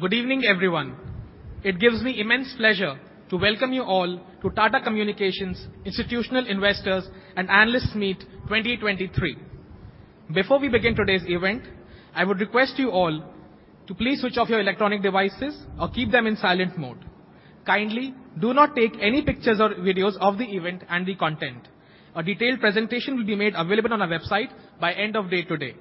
Good evening, everyone. It gives me immense pleasure to welcome you all to Tata Communications Institutional Investors & Analysts Meet 2023. Before we begin today's event, I would request you all to please switch off your electronic devices or keep them in silent mode. Kindly, do not take any pictures or videos of the event and the content. A detailed presentation will be made available on our website by end of day today.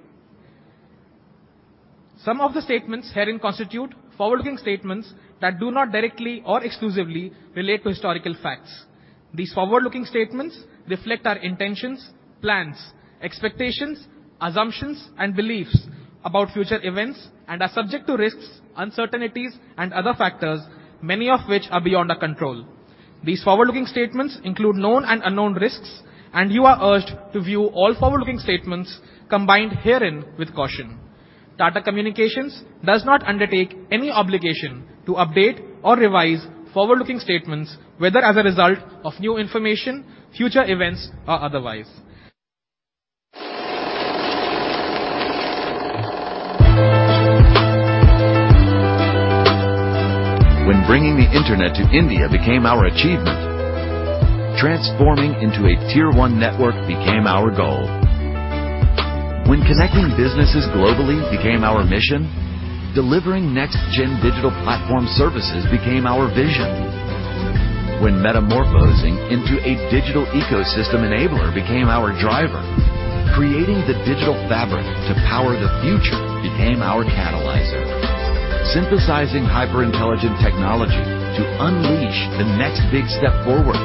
Some of the statements herein constitute forward-looking statements that do not directly or exclusively relate to historical facts. These forward-looking statements reflect our intentions, plans, expectations, assumptions, and beliefs about future events, and are subject to risks, uncertainties, and other factors, many of which are beyond our control. These forward-looking statements include known and unknown risks, and you are urged to view all forward-looking statements combined herein with caution. Tata Communications does not undertake any obligation to update or revise forward-looking statements, whether as a result of new information, future events, or otherwise. When bringing the internet to India became our achievement, transforming into a tier one network became our goal. When connecting businesses globally became our mission, delivering next-gen digital platform services became our vision. When metamorphosing into a digital ecosystem enabler became our driver, creating the Digital Fabric to power the future became our catalyzer. Synthesizing hyper-intelligent technology to unleash the next big step forward,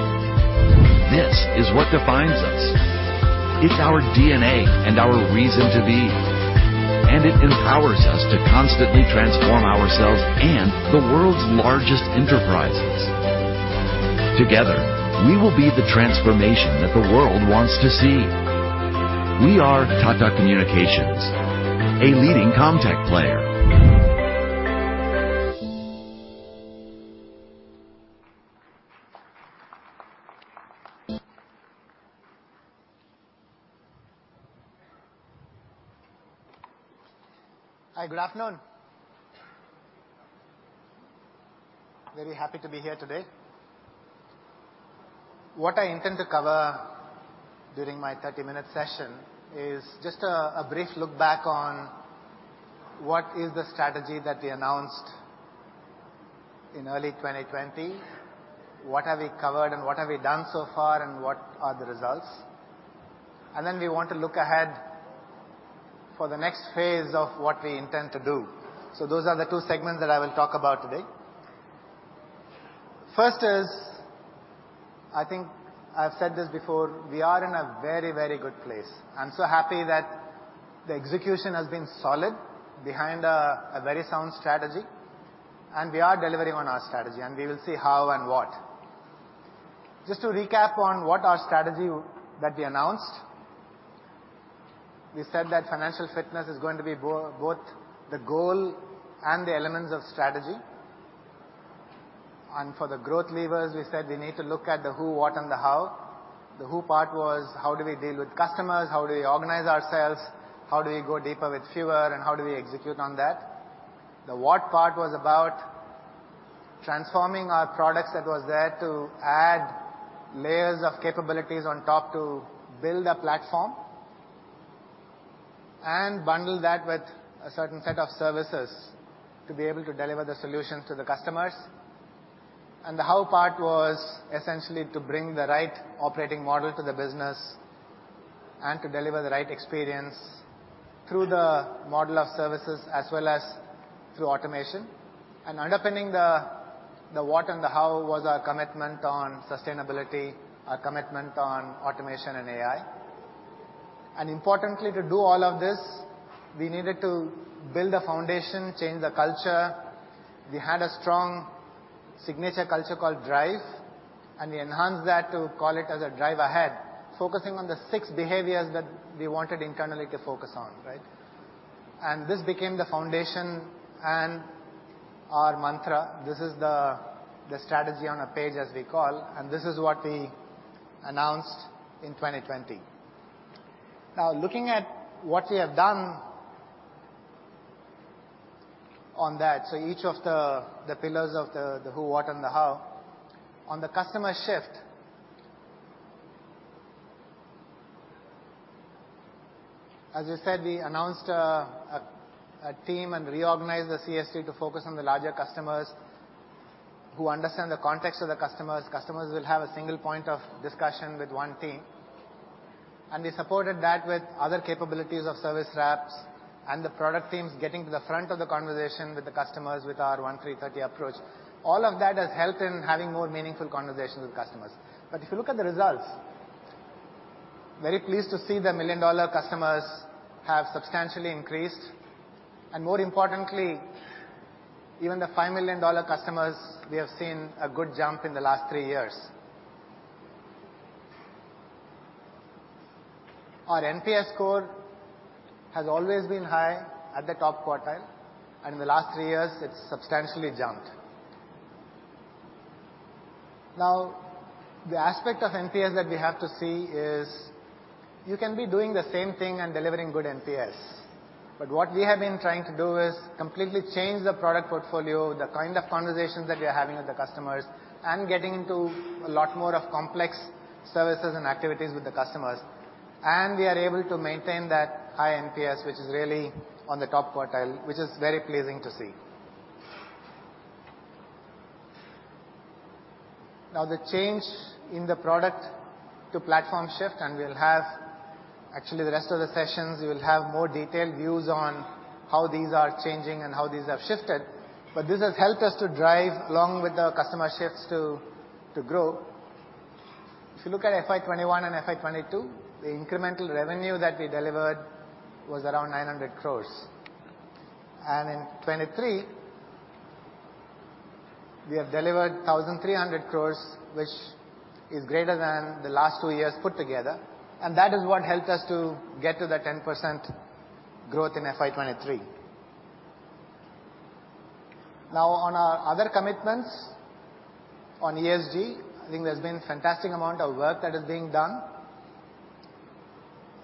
this is what defines us. It's our DNA and our reason to be, and it empowers us to constantly transform ourselves and the world's largest enterprises. Together, we will be the transformation that the world wants to see. We are Tata Communications, a leading Comtech player. Hi, good afternoon. Very happy to be here today. What I intend to cover during my 30-minute session is just a brief look back on what is the strategy that we announced in early 2020, what have we covered and what have we done so far, and what are the results. Then we want to look ahead for the next phase of what we intend to do. Those are the two segments that I will talk about today. First is, I think I've said this before, we are in a very, very good place. I'm so happy that the execution has been solid behind a very sound strategy, and we are delivering on our strategy, and we will see how and what. Just to recap on what our strategy that we announced, we said that financial fitness is going to be both the goal and the elements of strategy. For the growth levers, we said we need to look at the who, what, and the how. The who part was: How do we deal with customers? How do we organize ourselves? How do we go deeper with fewer, and how do we execute on that? The what part was about transforming our products that was there to add layers of capabilities on top to build a platform, and bundle that with a certain set of services to be able to deliver the solutions to the customers. The how part was essentially to bring the right operating model to the business and to deliver the right experience through the model of services, as well as through automation. Underpinning the what and the how was our commitment on sustainability, our commitment on automation and AI. Importantly, to do all of this, we needed to build a foundation, change the culture. We had a strong signature culture called DRIVE, and we enhanced that to call it as a DRIVE Ahead, focusing on the six behaviors that we wanted internally to focus on, right? This became the foundation and our mantra. This is the strategy on a page, as we call, and this is what we announced in 2020. Now, looking at what we have done on that, so each of the pillars of the who, what, and the how. On the customer shift... As I said, we announced a, a team and reorganized the CSC to focus on the larger customers, who understand the context of the customers. Customers will have a single point of discussion with one team, and we supported that with other capabilities of service reps and the product teams getting to the front of the conversation with the customers with our 1-3-30 approach. All of that has helped in having more meaningful conversations with customers. If you look at the results, very pleased to see the million-dollar customers have substantially increased, and more importantly, even the $5 million customers, we have seen a good jump in the last three years. Our NPS score has always been high at the top quartile, and in the last three years, it's substantially jumped. Now, the aspect of NPS that we have to see is, you can be doing the same thing and delivering good NPS. What we have been trying to do is completely change the product portfolio, the kind of conversations that we are having with the customers, and getting into a lot more of complex services and activities with the customers. We are able to maintain that high NPS, which is really on the top quartile, which is very pleasing to see. The change in the product to platform shift. We'll actually, the rest of the sessions, you will have more detailed views on how these are changing and how these have shifted. This has helped us to drive, along with our customer shifts, to grow. If you look at FY21 and FY22, the incremental revenue that we delivered was around 900 crore. In 2023, we have delivered 1,300 crores, which is greater than the last two years put together. That is what helped us to get to the 10% growth in FY 2023. On our other commitments on ESG, I think there's been a fantastic amount of work that is being done.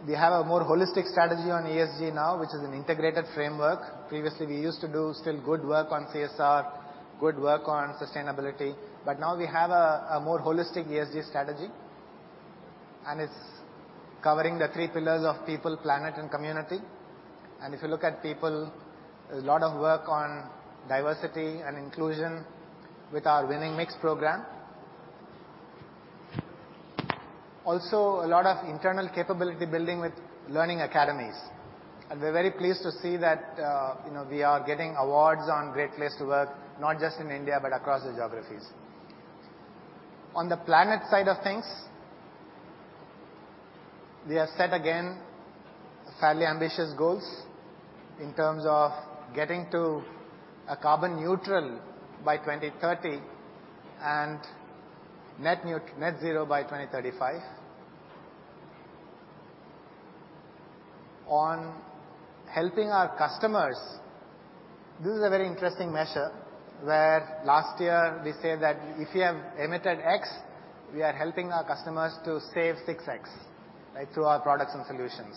We have a more holistic strategy on ESG now, which is an integrated framework. Previously, we used to do still good work on CSR, good work on sustainability. Now we have a more holistic ESG strategy. It's covering the 3 pillars of people, planet, and community. If you look at people, there's a lot of work on diversity and inclusion with our Winning Mix program. Also, a lot of internal capability building with learning academies. We're very pleased to see that, you know, we are getting awards on Great Place to Work, not just in India, but across the geographies. On the planet side of things, we have set, again, fairly ambitious goals in terms of getting to a carbon neutral by 2030 and net zero by 2035. On helping our customers, this is a very interesting measure, where last year we said that if you have emitted X, we are helping our customers to save 6X, right, through our products and solutions.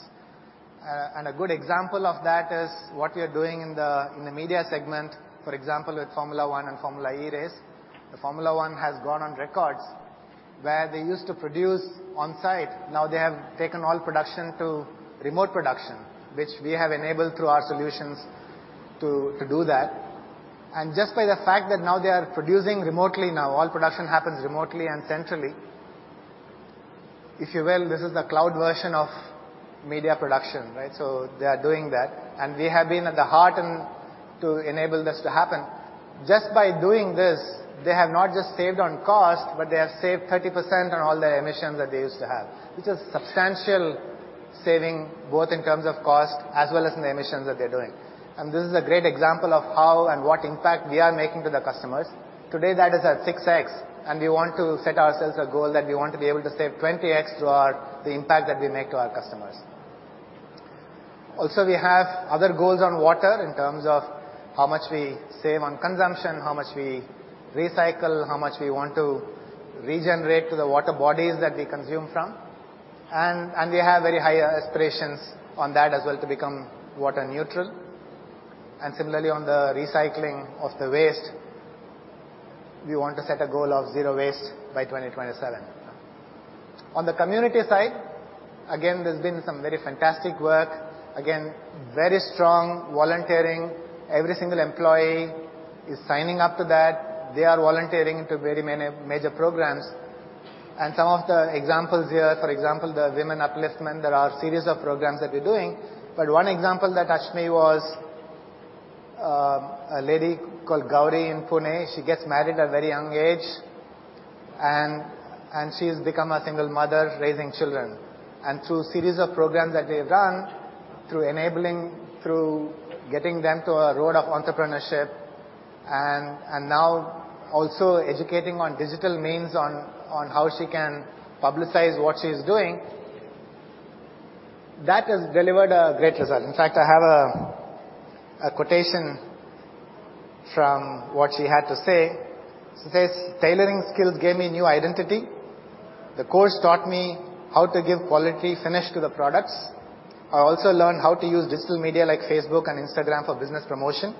A good example of that is what we are doing in the, in the media segment, for example, with Formula One and Formula E race. The Formula One has gone on records where they used to produce on-site, now they have taken all production to remote production, which we have enabled through our solutions to do that. Just by the fact that now they are producing remotely, now all production happens remotely and centrally. If you will, this is the cloud version of media production, right? They are doing that, and we have been at the heart to enable this to happen. Just by doing this, they have not just saved on cost, but they have saved 30% on all the emissions that they used to have, which is substantial saving, both in terms of cost as well as in the emissions that they're doing. This is a great example of how and what impact we are making to the customers. Today, that is at 6x, and we want to set ourselves a goal that we want to be able to save 20x the impact that we make to our customers. Also, we have other goals on water in terms of how much we save on consumption, how much we recycle, how much we want to regenerate to the water bodies that we consume from. We have very high aspirations on that as well to become water neutral. Similarly, on the recycling of the waste, we want to set a goal of zero waste by 2027. On the community side, again, there's been some very fantastic work. Again, very strong volunteering. Every single employee is signing up to that. They are volunteering to very many major programs. Some of the examples here, for example, the women upliftment, there are a series of programs that we're doing. One example that touched me was a lady called Gauri in Pune. She gets married at a very young age and she's become a single mother, raising children. Through series of programs that we have run, through enabling, through getting them to a road of entrepreneurship and now also educating on digital means on how she can publicize what she's doing, that has delivered a great result. In fact, I have a quotation from what she had to say. She says, "Tailoring skills gave me new identity. The course taught me how to give quality finish to the products. I also learned how to use digital media like Facebook and Instagram for business promotion.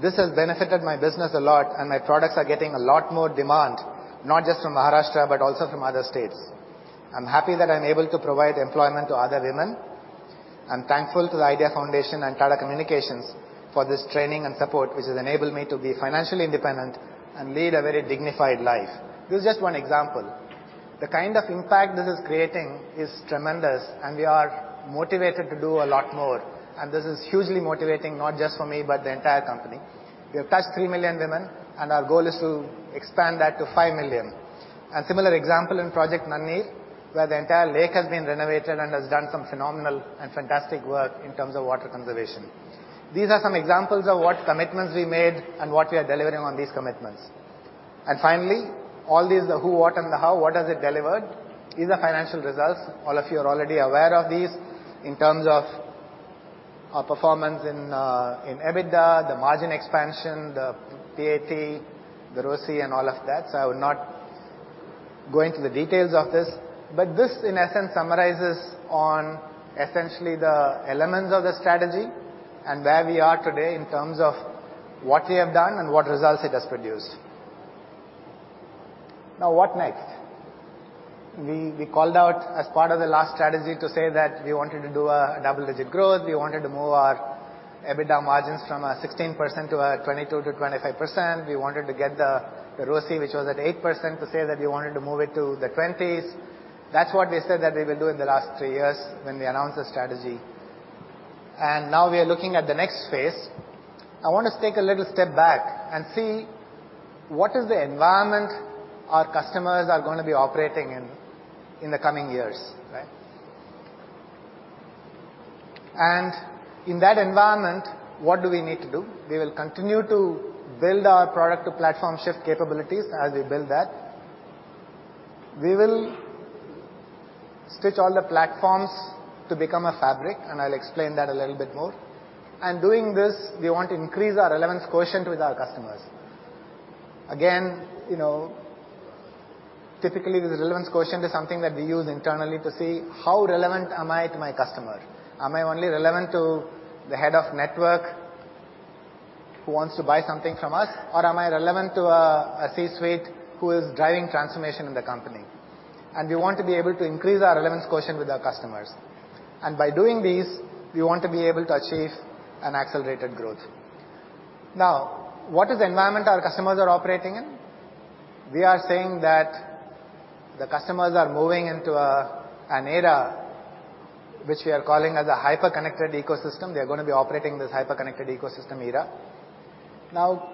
This has benefited my business a lot, and my products are getting a lot more demand, not just from Maharashtra, but also from other states. I'm happy that I'm able to provide employment to other women. I'm thankful to the IDEA Foundation and Tata Communications for this training and support, which has enabled me to be financially independent and lead a very dignified life." This is just one example. The kind of impact this is creating is tremendous, and we are motivated to do a lot more. This is hugely motivating, not just for me, but the entire company. We have touched 3 million women, and our goal is to expand that to 5 million. A similar example in Project Nanneer, where the entire lake has been renovated and has done some phenomenal and fantastic work in terms of water conservation. These are some examples of what commitments we made and what we are delivering on these commitments. Finally, all these, the who, what, and the how, what has it delivered? These are financial results. All of you are already aware of these in terms of our performance in EBITDA, the margin expansion, the PAT, the ROCE, and all of that. I would not go into the details of this, but this, in essence, summarizes on essentially the elements of the strategy and where we are today in terms of what we have done and what results it has produced. What next? We called out as part of the last strategy to say that we wanted to do a double-digit growth. We wanted to move our EBITDA margins from 16%-22%-25%. We wanted to get the ROCE, which was at 8%, to say that we wanted to move it to the 20s. That's what we said that we will do in the last three years when we announced the strategy. Now we are looking at the next phase. I want us to take a little step back and see what is the environment our customers are going to be operating in the coming years, right? In that environment, what do we need to do? We will continue to build our product to platform shift capabilities as we build that. We will stitch all the platforms to become a fabric. I'll explain that a little bit more. Doing this, we want to increase our relevance quotient with our customers. You know, typically, the relevance quotient is something that we use internally to see how relevant am I to my customer? Am I only relevant to the head of network who wants to buy something from us, or am I relevant to a C-suite who is driving transformation in the company? We want to be able to increase our relevance quotient with our customers. By doing this, we want to be able to achieve an accelerated growth. What is the environment our customers are operating in? We are saying that the customers are moving into an era which we are calling as a hyper-connected ecosystem. They are going to be operating in this hyper-connected ecosystem era.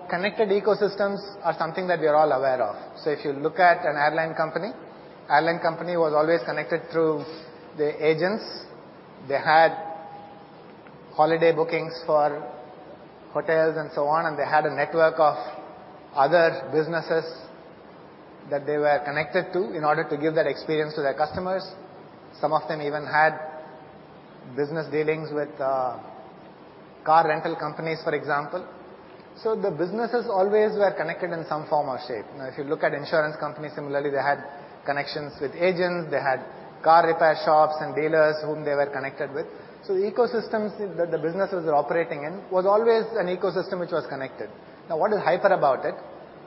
Connected ecosystems are something that we are all aware of. If you look at an airline company, airline company was always connected through the agents. They had holiday bookings for hotels and so on, and they had a network of other businesses that they were connected to in order to give that experience to their customers. Some of them even had business dealings with car rental companies, for example. The businesses always were connected in some form or shape. If you look at insurance companies, similarly, they had connections with agents, they had car repair shops and dealers whom they were connected with. Ecosystems that the businesses were operating in was always an ecosystem which was connected. What is hyper about it?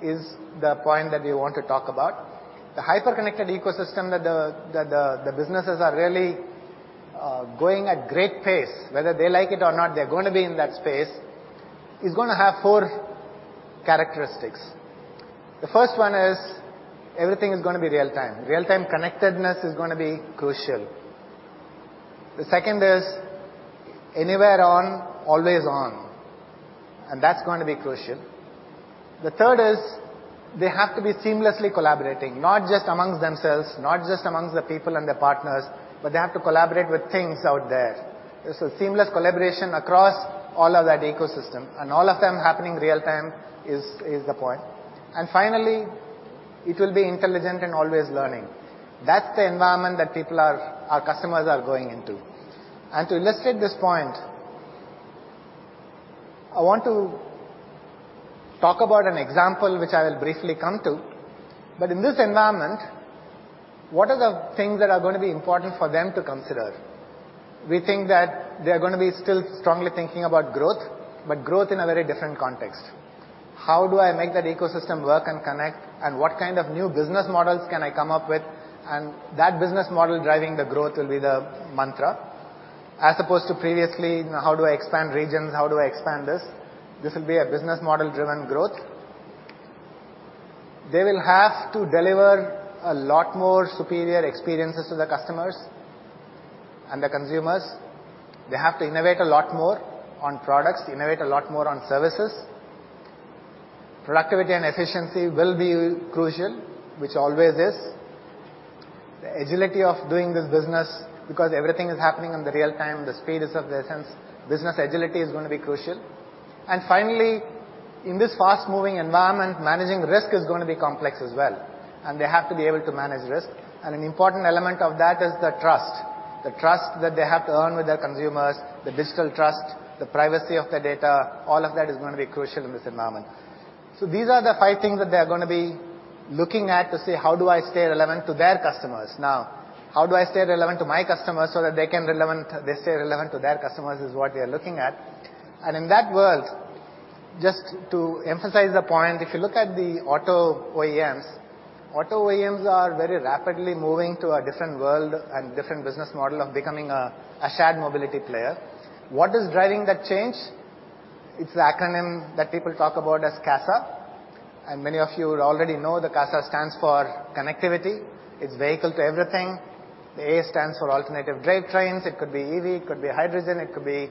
Is the point that we want to talk about. The hyper-connected ecosystem that the businesses are really going at great pace, whether they like it or not, they're going to be in that space, is going to have four characteristics. The first one is everything is going to be real time. Real-time connectedness is going to be crucial. The second is anywhere on, always on, and that's going to be crucial. The third is they have to be seamlessly collaborating, not just amongst themselves, not just amongst the people and their partners, but they have to collaborate with things out there. It's a seamless collaboration across all of that ecosystem, and all of them happening real time is the point. Finally, it will be intelligent and always learning. That's the environment that our customers are going into. To illustrate this point, I want to talk about an example which I will briefly come to. In this environment, what are the things that are going to be important for them to consider? We think that they are going to be still strongly thinking about growth, but growth in a very different context. How do I make that ecosystem work and connect? What kind of new business models can I come up with? That business model driving the growth will be the mantra, as opposed to previously: How do I expand regions? How do I expand this? This will be a business model-driven growth. They will have to deliver a lot more superior experiences to the customers and the consumers. They have to innovate a lot more on products, innovate a lot more on services. Productivity and efficiency will be crucial, which always is. The agility of doing this business, because everything is happening in the real time, the speed is of the essence. Business agility is going to be crucial. Finally, in this fast-moving environment, managing risk is going to be complex as well, and they have to be able to manage risk. An important element of that is the trust. The trust that they have to earn with their consumers, the digital trust, the privacy of their data, all of that is going to be crucial in this environment. These are the five things that they are going to be looking at to say: How do I stay relevant to their customers? Now, how do I stay relevant to my customers so that they stay relevant to their customers, is what we are looking at. In that world, just to emphasize the point, if you look at the auto OEMs, auto OEMs are very rapidly moving to a different world and different business model of becoming a shared mobility player. What is driving that change? It's the acronym that people talk about as CASA. Many of you already know the CASA stands for connectivity. It's vehicle to everything. The A stands for alternative drivetrains. It could be EV, it could be hydrogen, it could be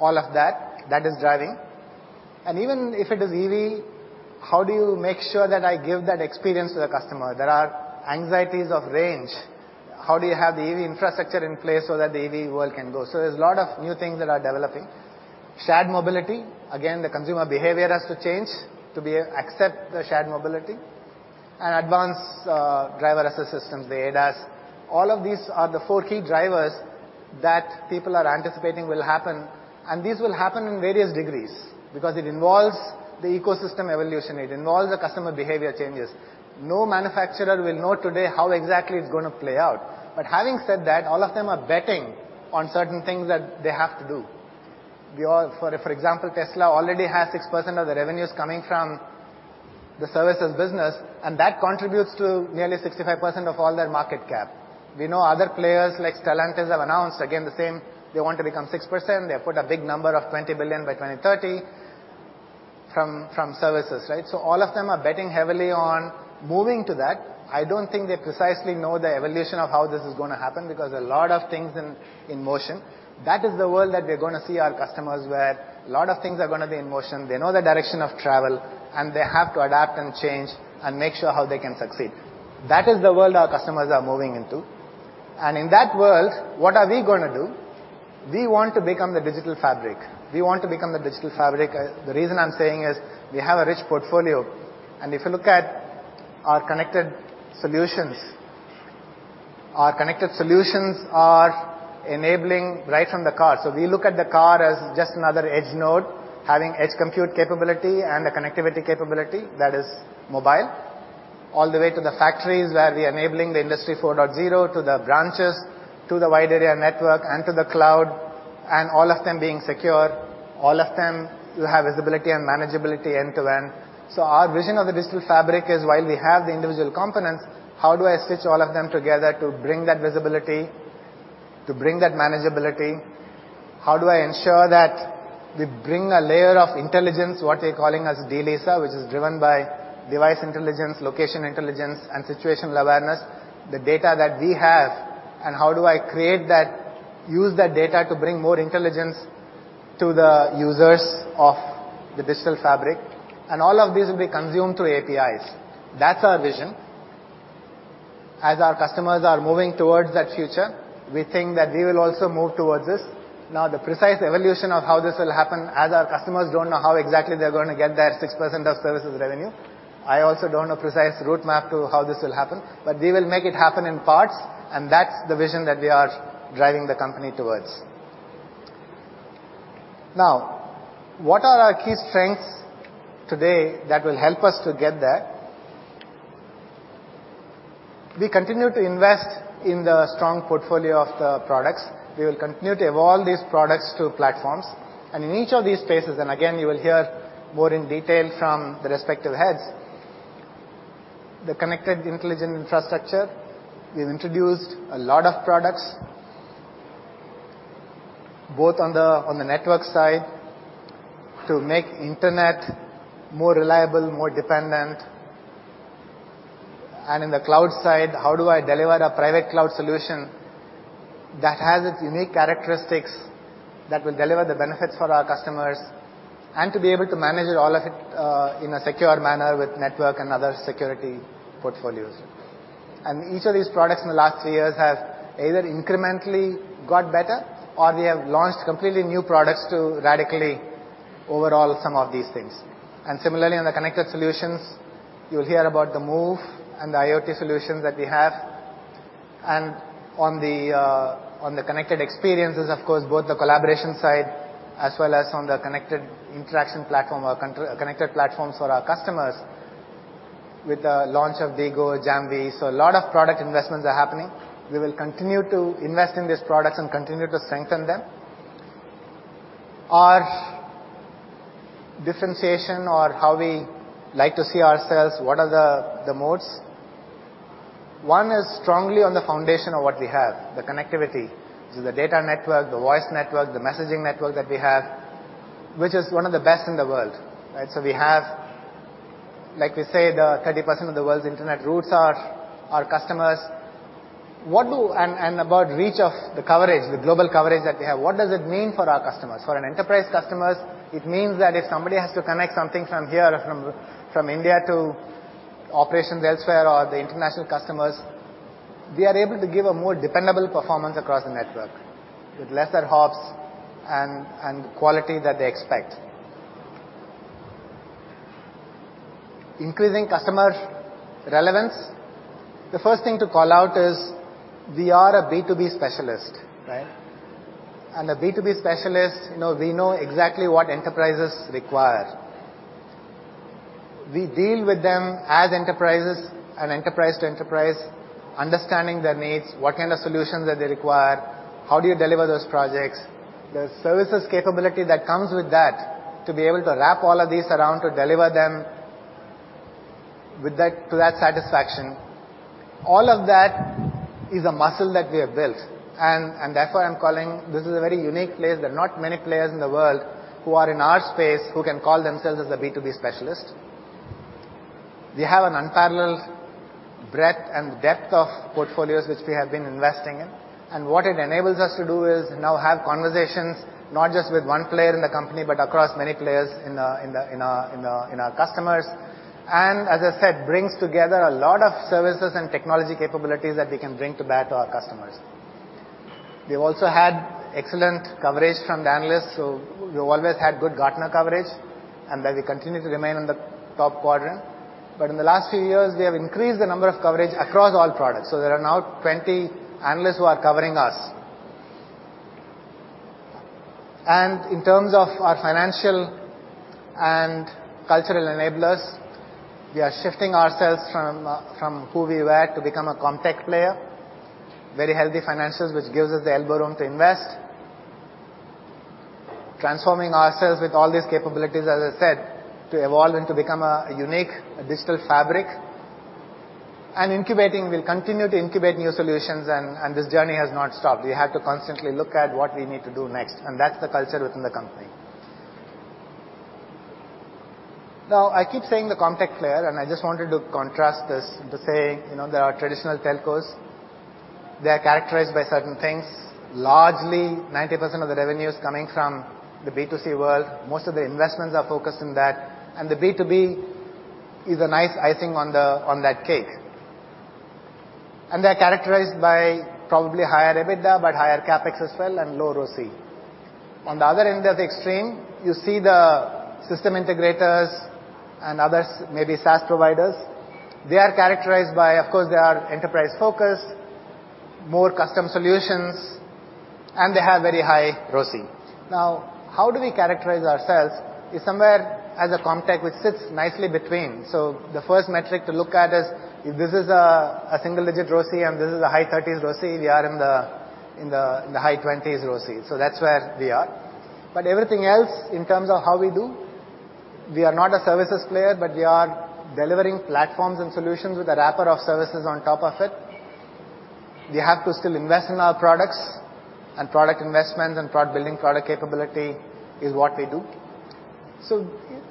all of that. That is driving. Even if it is EV, how do you make sure that I give that experience to the customer? There are anxieties of range. How do you have the EV infrastructure in place so that the EV World can go? There's a lot of new things that are developing. Shared mobility, again, the consumer behavior has to change to be, accept the shared mobility. Advanced driver-assist systems, the ADAS. All of these are the four key drivers that people are anticipating will happen. These will happen in various degrees because it involves the ecosystem evolution, it involves the customer behavior changes. No manufacturer will know today how exactly it's going to play out. Having said that, all of them are betting on certain things that they have to do. For example, Tesla already has 6% of their revenues coming from the services business, and that contributes to nearly 65% of all their market cap. We know other players like Stellantis, have announced, again, the same, they want to become 6%. They have put a big number of $20 billion by 2030 from services, right? All of them are betting heavily on moving to that. I don't think they precisely know the evolution of how this is going to happen, because a lot of things in motion. That is the world that we're going to see our customers, where a lot of things are going to be in motion. They know the direction of travel, and they have to adapt and change and make sure how they can succeed. That is the world our customers are moving into. In that world, what are we going to do? We want to become the Digital Fabric. We want to become the Digital Fabric. The reason I'm saying is we have a rich portfolio, and if you look at our connected solutions, our connected solutions are enabling right from the car. We look at the car as just another edge node, having edge compute capability and a connectivity capability that is mobile, all the way to the factories, where we are enabling the Industry 4.0, to the branches, to the wide area network, and to the cloud, and all of them being secure, all of them you have visibility and manageability end-to-end. Our vision of the Digital Fabric is, while we have the individual components, how do I stitch all of them together to bring that visibility, to bring that manageability? How do I ensure that we bring a layer of intelligence, what we're calling as DLISA, which is driven by device intelligence, location intelligence, and situational awareness, the data that we have, and how do I use that data to bring more intelligence to the users of the Digital Fabric? All of these will be consumed through APIs. That's our vision. As our customers are moving towards that future, we think that we will also move towards this. The precise evolution of how this will happen, as our customers don't know how exactly they're going to get their 6% of services revenue, I also don't know precise roadmap to how this will happen, but we will make it happen in parts, and that's the vision that we are driving the company towards. What are our key strengths today that will help us to get there? We continue to invest in the strong portfolio of the products. We will continue to evolve these products to platforms, and in each of these spaces, again, you will hear more in detail from the respective heads. The connected intelligent infrastructure, we've introduced a lot of products, both on the network side, to make Internet more reliable, more dependent. In the cloud side, how do I deliver a private cloud solution that has its unique characteristics, that will deliver the benefits for our customers, and to be able to manage all of it in a secure manner with network and other security portfolios? Each of these products in the last 3 years have either incrementally got better or we have launched completely new products to radically overhaul some of these things. Similarly, on the connected solutions, you'll hear about the MOVE and the IoT solutions that we have. On the on the connected experiences, of course, both the collaboration side, as well as on the connected interaction platform or connected platforms for our customers with the launch of DIGO, JAMVEE. A lot of product investments are happening. We will continue to invest in these products and continue to strengthen them. Our differentiation or how we like to see ourselves, what are the moats? One is strongly on the foundation of what we have, the connectivity. The data network, the voice network, the messaging network that we have, which is one of the best in the world, right? We have, like we say, the 30% of the world's Internet routes are our customers. About reach of the coverage, the global coverage that we have, what does it mean for our customers? For an enterprise customers, it means that if somebody has to connect something from here, from India to operations elsewhere or the international customers, we are able to give a more dependable performance across the network, with lesser hops and quality that they expect. Increasing customer relevance. The first thing to call out is we are a B2B specialist, right? A B2B specialist, you know, we know exactly what enterprises require. We deal with them as enterprises and enterprise to enterprise, understanding their needs, what kind of solutions that they require, how do you deliver those projects, the services capability that comes with that, to be able to wrap all of these around, to deliver them with that, to that satisfaction. All of that is a muscle that we have built, and therefore I'm calling. This is a very unique place. There are not many players in the world who are in our space, who can call themselves as a B2B specialist. We have an unparalleled breadth and depth of portfolios which we have been investing in. What it enables us to do is now have conversations, not just with one player in the company, but across many players in the, in our customers, and as I said, brings together a lot of services and technology capabilities that we can bring to bear to our customers. We've also had excellent coverage from the analysts. We've always had good Gartner coverage, and that we continue to remain in the top quadrant. In the last few years, we have increased the number of coverage across all products. There are now 20 analysts who are covering us. In terms of our financial and cultural enablers, we are shifting ourselves from who we were to become a Comtech player. Very healthy financials, which gives us the elbow room to invest. Transforming ourselves with all these capabilities, as I said, to evolve and to become a unique Digital Fabric. Incubating, we'll continue to incubate new solutions, and this journey has not stopped. We have to constantly look at what we need to do next, and that's the culture within the company. Now, I keep saying the Comtech player, I just wanted to contrast this to say, you know, there are traditional telcos. They are characterized by certain things. Largely, 90% of the revenue is coming from the B2C world. Most of the investments are focused on that, and the B2B is a nice icing on that cake. They are characterized by probably higher EBITDA, but higher CapEx as well and low ROCE. On the other end of the extreme, you see the system integrators and others, maybe SaaS providers. They are characterized by, of course, they are enterprise-focused, more custom solutions, and they have very high ROCE. How do we characterize ourselves? Is somewhere as a Comtech, which sits nicely between. The first metric to look at is, if this is a single-digit ROCE and this is a high 30s ROCE, we are in the high 20s ROCE. That's where we are. Everything else, in terms of how we do, we are not a services player, but we are delivering platforms and solutions with a wrapper of services on top of it. We have to still invest in our products, and product investment and building product capability is what we do.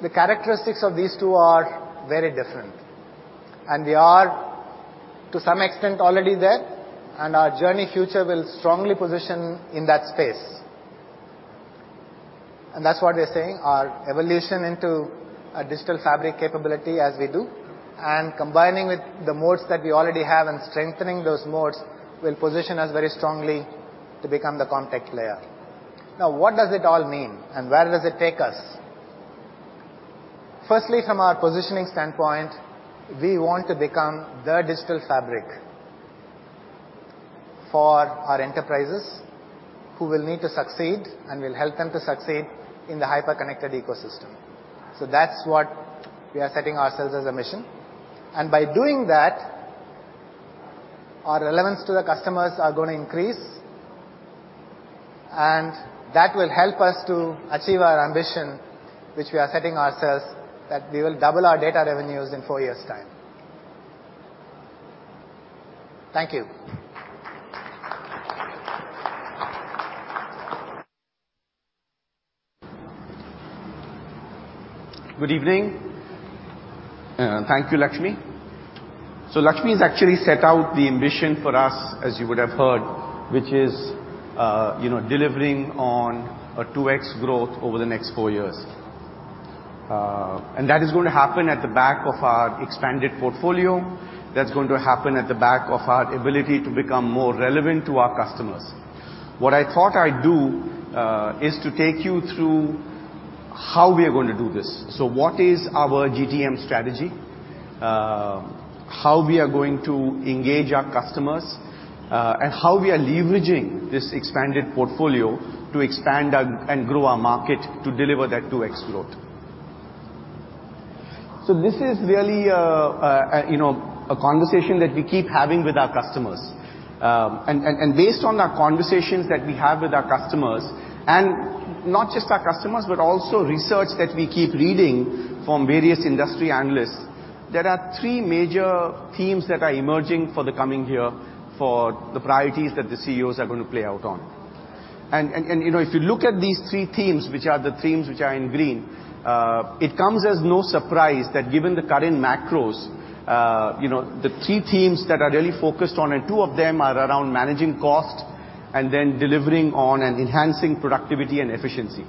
The characteristics of these two are very different. We are, to some extent, already there. Our journey future will strongly position in that space. That's what we are saying, our evolution into a Digital Fabric capability as we do, and combining with the moats that we already have and strengthening those moats, will position us very strongly to become the Comtech player. What does it all mean? Where does it take us? Firstly, from our positioning standpoint, we want to become the Digital Fabric for our enterprises who will need to succeed. We'll help them to succeed in the hyper-connected ecosystem. That's what we are setting ourselves as a mission. By doing that, our relevance to the customers are going to increase, that will help us to achieve our ambition, which we are setting ourselves, that we will double our data revenues in four years time. Thank you. Good evening, thank you, Lakshmi. Lakshmi has actually set out the ambition for us, as you would have heard, which is, you know, delivering on a 2x growth over the next four years. That is going to happen at the back of our expanded portfolio. That's going to happen at the back of our ability to become more relevant to our customers. What I thought I'd do, is to take you through how we are going to do this. What is our GTM strategy? How we are going to engage our customers, and how we are leveraging this expanded portfolio to expand our, and grow our market to deliver that 2x growth. This is really a, a, you know, a conversation that we keep having with our customers. Based on our conversations that we have with our customers, and not just our customers, but also research that we keep reading from various industry analysts, there are three major themes that are emerging for the coming year, for the priorities that the CEOs are going to play out on. You know, if you look at these three themes, which are the themes which are in green, it comes as no surprise that given the current macros, you know, the three themes that are really focused on, and two of them are around managing cost and then delivering on and enhancing productivity and efficiency.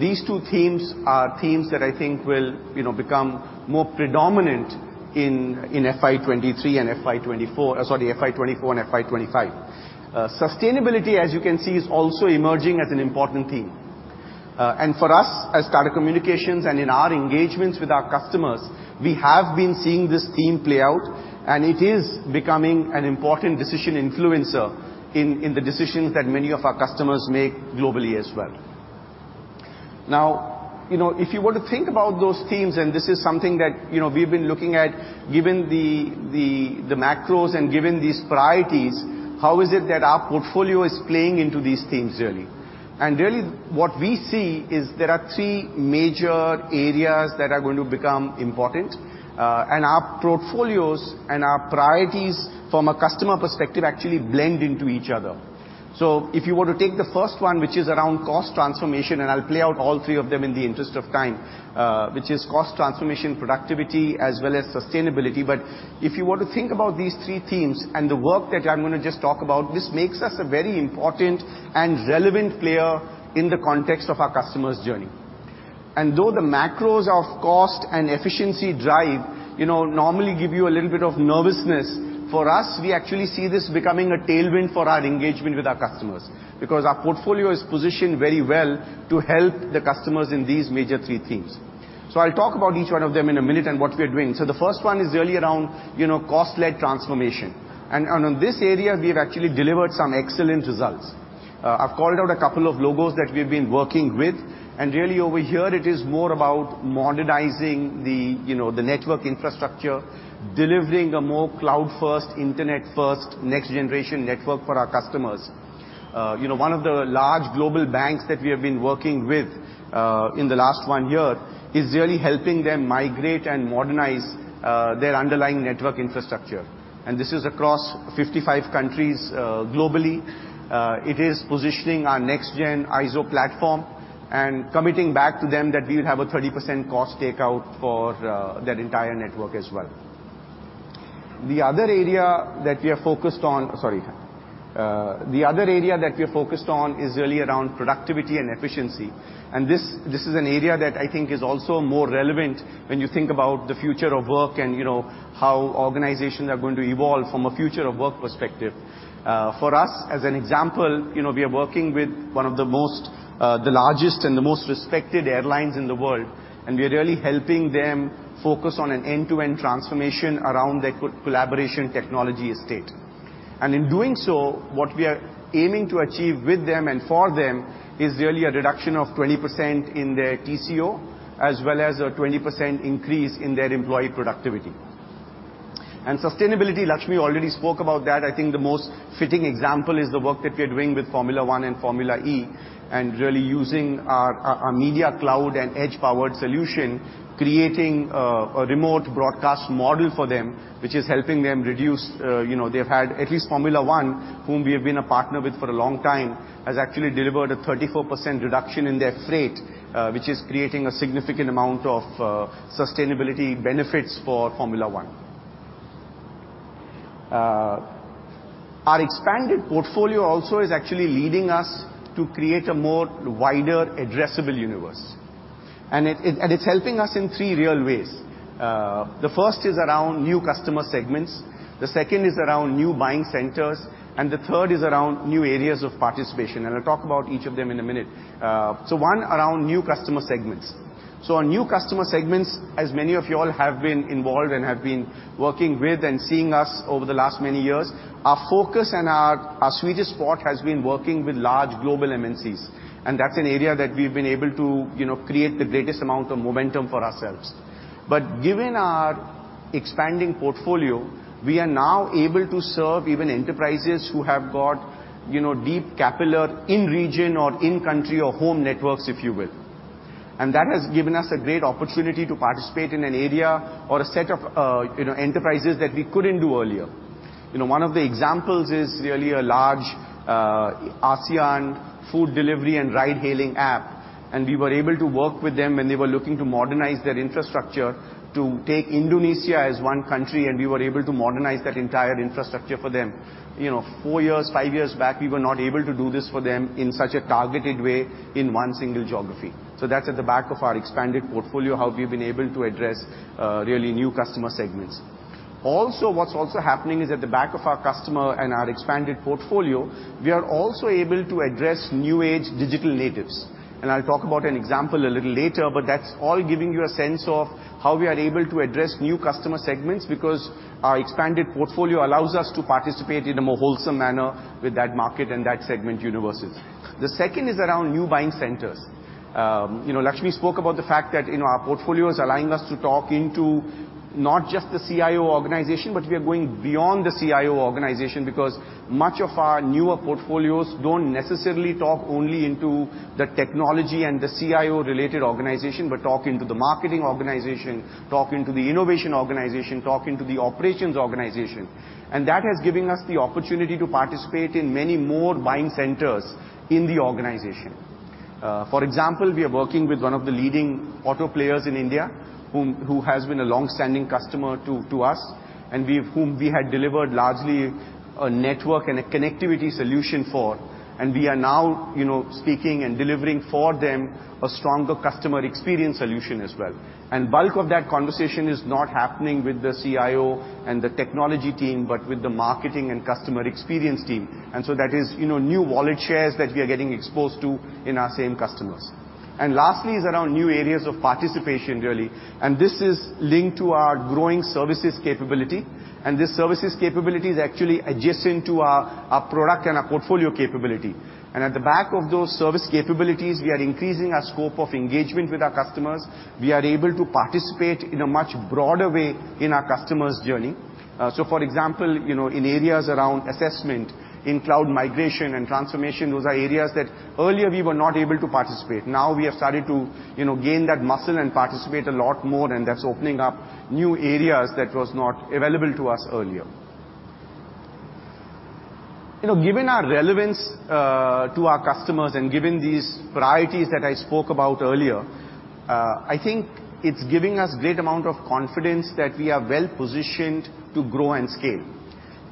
These two themes are themes that I think will, you know, become more predominant in FY 2023 and FY 2024. Sorry, FY 2024 and FY 2025. Sustainability, as you can see, is also emerging as an important theme. For us, as Tata Communications and in our engagements with our customers, we have been seeing this theme play out, and it is becoming an important decision influencer in the decisions that many of our customers make globally as well. You know, if you were to think about those themes, and this is something that, you know, we've been looking at, given the macros and given these priorities, how is it that our portfolio is playing into these themes really? Really, what we see is there are three major areas that are going to become important, and our portfolios and our priorities from a customer perspective actually blend into each other. If you were to take the first one, which is around cost transformation, and I'll play out all three of them in the interest of time, which is cost transformation, productivity, as well as sustainability. If you were to think about these three themes and the work that I'm gonna just talk about, this makes us a very important and relevant player in the context of our customers' journey. Though the macros of cost and efficiency drive, you know, normally give you a little bit of nervousness, for us, we actually see this becoming a tailwind for our engagement with our customers, because our portfolio is positioned very well to help the customers in these major three themes. I'll talk about each one of them in a minute and what we are doing. The first one is really around, you know, cost-led transformation, and on this area, we've actually delivered some excellent results. I've called out a couple of logos that we've been working with, and really over here it is more about modernizing the, you know, the network infrastructure, delivering a more cloud-first, internet-first, next-generation network for our customers. You know, one of the large global banks that we have been working with, in the last one year is really helping them migrate and modernize their underlying network infrastructure, and this is across 55 countries globally. It is positioning our next gen IZO platform and committing back to them that we will have a 30% cost takeout for that entire network as well. The other area that we are focused on. Sorry. The other area that we are focused on is really around productivity and efficiency, and this is an area that I think is also more relevant when you think about the future of work and, you know, how organizations are going to evolve from a future of work perspective. For us, as an example, you know, we are working with one of the most, the largest and the most respected airlines in the world, and we are really helping them focus on an end-to-end transformation around their collaboration technology estate. In doing so, what we are aiming to achieve with them and for them is really a reduction of 20% in their TCO, as well as a 20% increase in their employee productivity. Sustainability, Lakshmi already spoke about that. I think the most fitting example is the work that we are doing with Formula One and Formula E, and really using our Media Cloud and Edge-powered solution, creating a remote broadcast model for them, which is helping them reduce, you know. They've had at least Formula One, whom we have been a partner with for a long time, has actually delivered a 34% reduction in their freight, which is creating a significant amount of sustainability benefits for Formula One. Our expanded portfolio also is actually leading us to create a more wider addressable universe, and it's helping us in three real ways. The first is around new customer segments, the second is around new buying centers, and the third is around new areas of participation, and I'll talk about each of them in a minute. One, around new customer segments. On new customer segments, as many of you all have been involved and have been working with and seeing us over the last many years, our focus and our sweetest spot has been working with large global MNCs, and that's an area that we've been able to, you know, create the greatest amount of momentum for ourselves. Given our expanding portfolio, we are now able to serve even enterprises who have got, you know, deep capillary in-region or in-country or home networks, if you will. That has given us a great opportunity to participate in an area or a set of, you know, enterprises that we couldn't do earlier. You know, one of the examples is really a large, ASEAN food delivery and ride-hailing app, and we were able to work with them when they were looking to modernize their infrastructure, to take Indonesia as one country, and we were able to modernize that entire infrastructure for them. You know, four years, five years back, we were not able to do this for them in such a targeted way in one single geography. So that's at the back of our expanded portfolio, how we've been able to address, really new customer segments. What's also happening is at the back of our customer and our expanded portfolio, we are also able to address new age digital natives, and I'll talk about an example a little later. That's all giving you a sense of how we are able to address new customer segments, because our expanded portfolio allows us to participate in a more wholesome manner with that market and that segment universes. The second is around new buying centers. You know, Lakshmi spoke about the fact that, you know, our portfolio is allowing us to talk into not just the CIO organization, but we are going beyond the CIO organization, because much of our newer portfolios don't necessarily talk only into the technology and the CIO-related organization, but talk into the marketing organization, talk into the innovation organization, talk into the operations organization. That has given us the opportunity to participate in many more buying centers in the organization. For example, we are working with one of the leading auto players in India, who has been a long-standing customer to us, whom we had delivered largely a network and a connectivity solution for, and we are now, you know, speaking and delivering for them a stronger customer experience solution as well. Bulk of that conversation is not happening with the CIO and the technology team, but with the marketing and customer experience team. That is, you know, new wallet shares that we are getting exposed to in our same customers. Lastly is around new areas of participation, really, and this is linked to our growing services capability, and this services capability is actually adjacent to our product and our portfolio capability. At the back of those service capabilities, we are increasing our scope of engagement with our customers. We are able to participate in a much broader way in our customer's journey. For example, you know, in areas around assessment, in cloud migration and transformation, those are areas that earlier we were not able to participate. Now we have started to, you know, gain that muscle and participate a lot more, and that's opening up new areas that was not available to us earlier. You know, given our relevance to our customers and given these priorities that I spoke about earlier, I think it's giving us great amount of confidence that we are well positioned to grow and scale.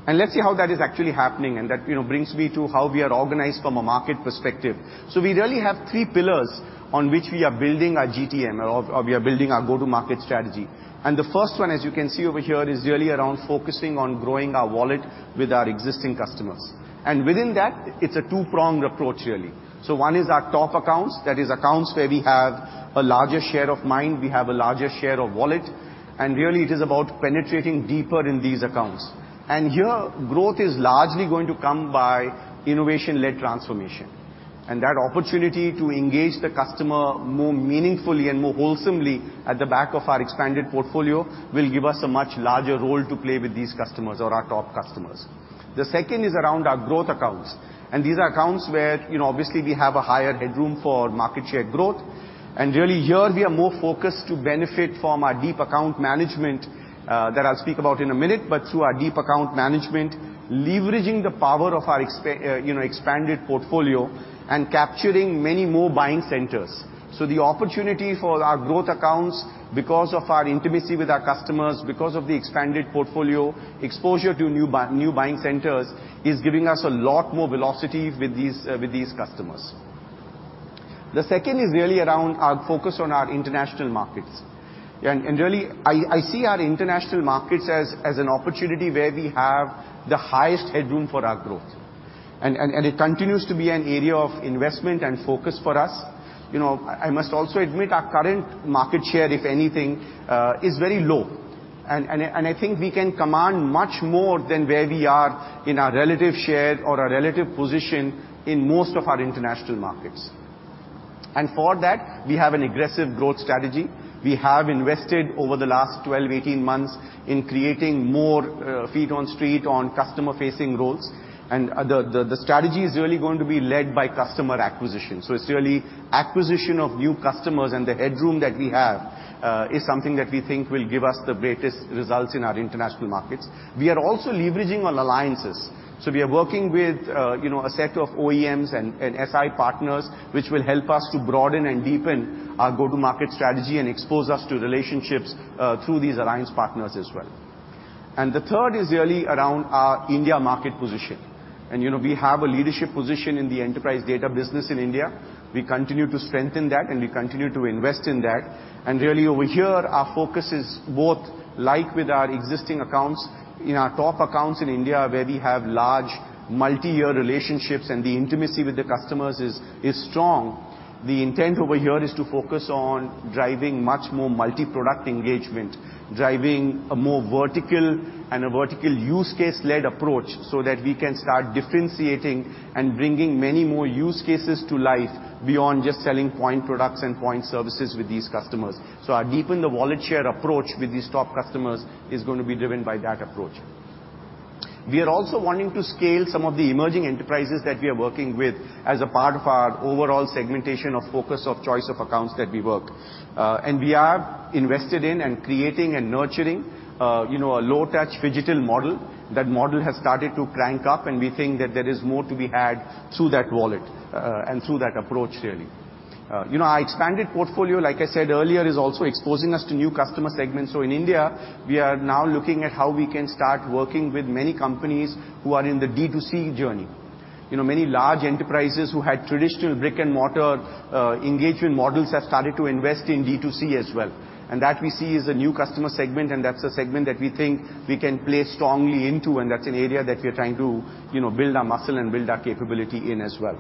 Let's see how that is actually happening, and that, you know, brings me to how we are organized from a market perspective. We really have three pillars on which we are building our GTM or we are building our go-to-market strategy. The first one, as you can see over here, is really around focusing on growing our wallet with our existing customers. Within that, it's a two-pronged approach, really. One is our top accounts, that is accounts where we have a larger share of mind, we have a larger share of wallet, and really it is about penetrating deeper in these accounts. Here, growth is largely going to come by innovation-led transformation, and that opportunity to engage the customer more meaningfully and more wholesomely at the back of our expanded portfolio, will give us a much larger role to play with these customers or our top customers. The second is around our growth accounts, and these are accounts where, you know, obviously, we have a higher headroom for market share growth. Really here, we are more focused to benefit from our deep account management, that I'll speak about in a minute, but through our deep account management, leveraging the power of our you know, expanded portfolio and capturing many more buying centers. The opportunity for our growth accounts, because of our intimacy with our customers, because of the expanded portfolio, exposure to new buying centers, is giving us a lot more velocity with these customers. The second is really around our focus on our international markets. Really, I see our international markets as an opportunity where we have the highest headroom for our growth, and it continues to be an area of investment and focus for us. You know, I must also admit our current market share, if anything, is very low. I think we can command much more than where we are in our relative share or our relative position in most of our international markets. For that, we have an aggressive growth strategy. We have invested over the last 12 to 18 months in creating more feet on street, on customer-facing roles, and the strategy is really going to be led by customer acquisition. It's really acquisition of new customers, and the headroom that we have, is something that we think will give us the greatest results in our international markets. We are also leveraging on alliances, so we are working with, you know, a set of OEMs and SI partners, which will help us to broaden and deepen our go-to-market strategy and expose us to relationships through these alliance partners as well. The third is really around our India market position. You know, we have a leadership position in the enterprise data business in India. We continue to strengthen that, and we continue to invest in that. Really over here, our focus is both like with our existing accounts, in our top accounts in India, where we have large multi-year relationships and the intimacy with the customers is strong. The intent over here is to focus on driving much more multi-product engagement, driving a more vertical and a vertical use case-led approach, so that we can start differentiating and bringing many more use cases to life beyond just selling point products and point services with these customers. Our deepen the wallet share approach with these top customers is going to be driven by that approach. We are also wanting to scale some of the emerging enterprises that we are working with as a part of our overall segmentation of focus of choice of accounts that we work. We are invested in and creating and nurturing, you know, a low-touch phygital model. That model has started to crank up, and we think that there is more to be had through that wallet, and through that approach, really. You know, our expanded portfolio, like I said earlier, is also exposing us to new customer segments. In India, we are now looking at how we can start working with many companies who are in the D2C journey. You know, many large enterprises who had traditional brick-and-mortar engagement models have started to invest in D2C as well. That we see as a new customer segment, and that's a segment that we think we can play strongly into, and that's an area that we are trying to, you know, build our muscle and build our capability in as well.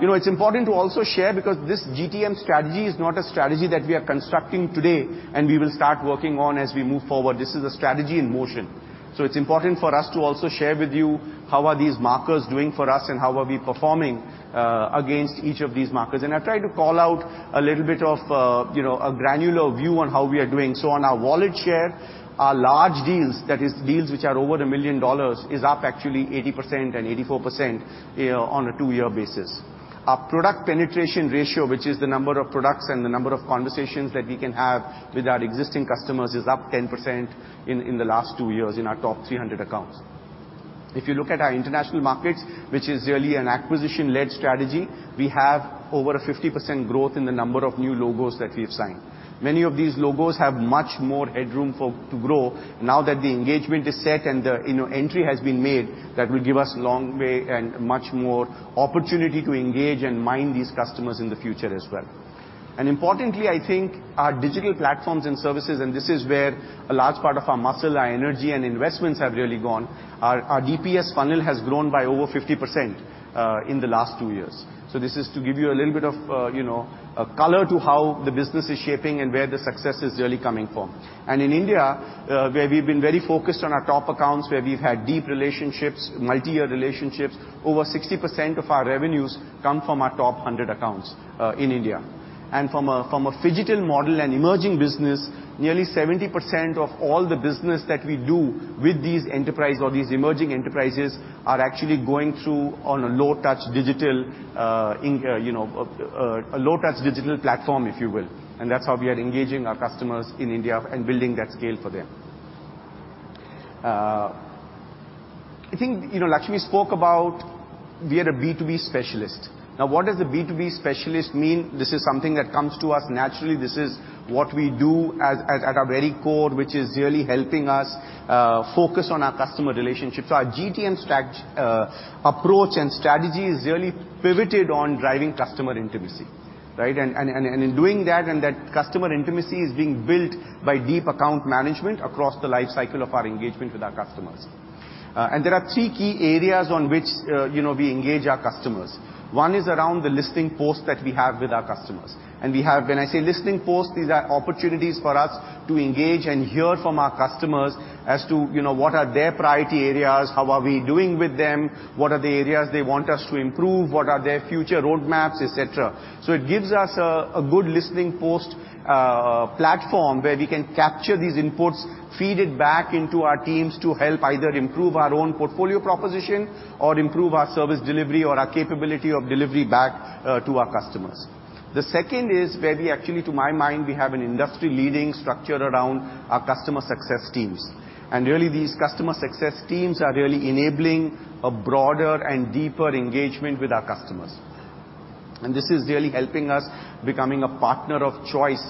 You know, it's important to also share, this GTM strategy is not a strategy that we are constructing today, and we will start working on as we move forward. This is a strategy in motion, so it's important for us to also share with you how are these markers doing for us and how are we performing against each of these markers. I tried to call out a little bit of, you know, a granular view on how we are doing. On our wallet share, our large deals, that is, deals which are over a $1 million, is up actually 80% and 84% on a two-year basis. Our product penetration ratio, which is the number of products and the number of conversations that we can have with our existing customers, is up 10% in the last two years in our top 300 accounts. If you look at our international markets, which is really an acquisition-led strategy, we have over a 50% growth in the number of new logos that we have signed. Many of these logos have much more headroom to grow now that the engagement is set and the, you know, entry has been made, that will give us a long way and much more opportunity to engage and mine these customers in the future as well. Importantly, I think our Digital Platforms and Services, and this is where a large part of our muscle, our energy, and investments have really gone, our DPS funnel has grown by over 50% in the last two years. This is to give you a little bit of, you know, a color to how the business is shaping and where the success is really coming from. In India, where we've been very focused on our top accounts, where we've had deep relationships, multi-year relationships, over 60% of our revenues come from our top 100 accounts in India. From a, from a phygital model and emerging business, nearly 70% of all the business that we do with these enterprise or these emerging enterprises are actually going through on a low-touch digital, a low-touch digital platform, if you will. That's how we are engaging our customers in India and building that scale for them. I think, you know, Lakshmi spoke about we are a B2B specialist. What does a B2B specialist mean? This is something that comes to us naturally. This is what we do at our very core, which is really helping us focus on our customer relationships. Our GTM approach and strategy is really pivoted on driving customer intimacy, right? In doing that, and that customer intimacy is being built by deep account management across the life cycle of our engagement with our customers. There are three key areas on which, you know, we engage our customers. One is around the listening posts that we have with our customers. When I say listening posts, these are opportunities for us to engage and hear from our customers as to, you know, what are their priority areas, how are we doing with them, what are the areas they want us to improve, what are their future roadmaps, et cetera. It gives us a good listening post platform, where we can capture these inputs, feed it back into our teams to help either improve our own portfolio proposition or improve our service delivery or our capability of delivery back to our customers. The second is where we actually, to my mind, we have an industry-leading structure around our customer success teams. Really, these customer success teams are really enabling a broader and deeper engagement with our customers. This is really helping us becoming a partner of choice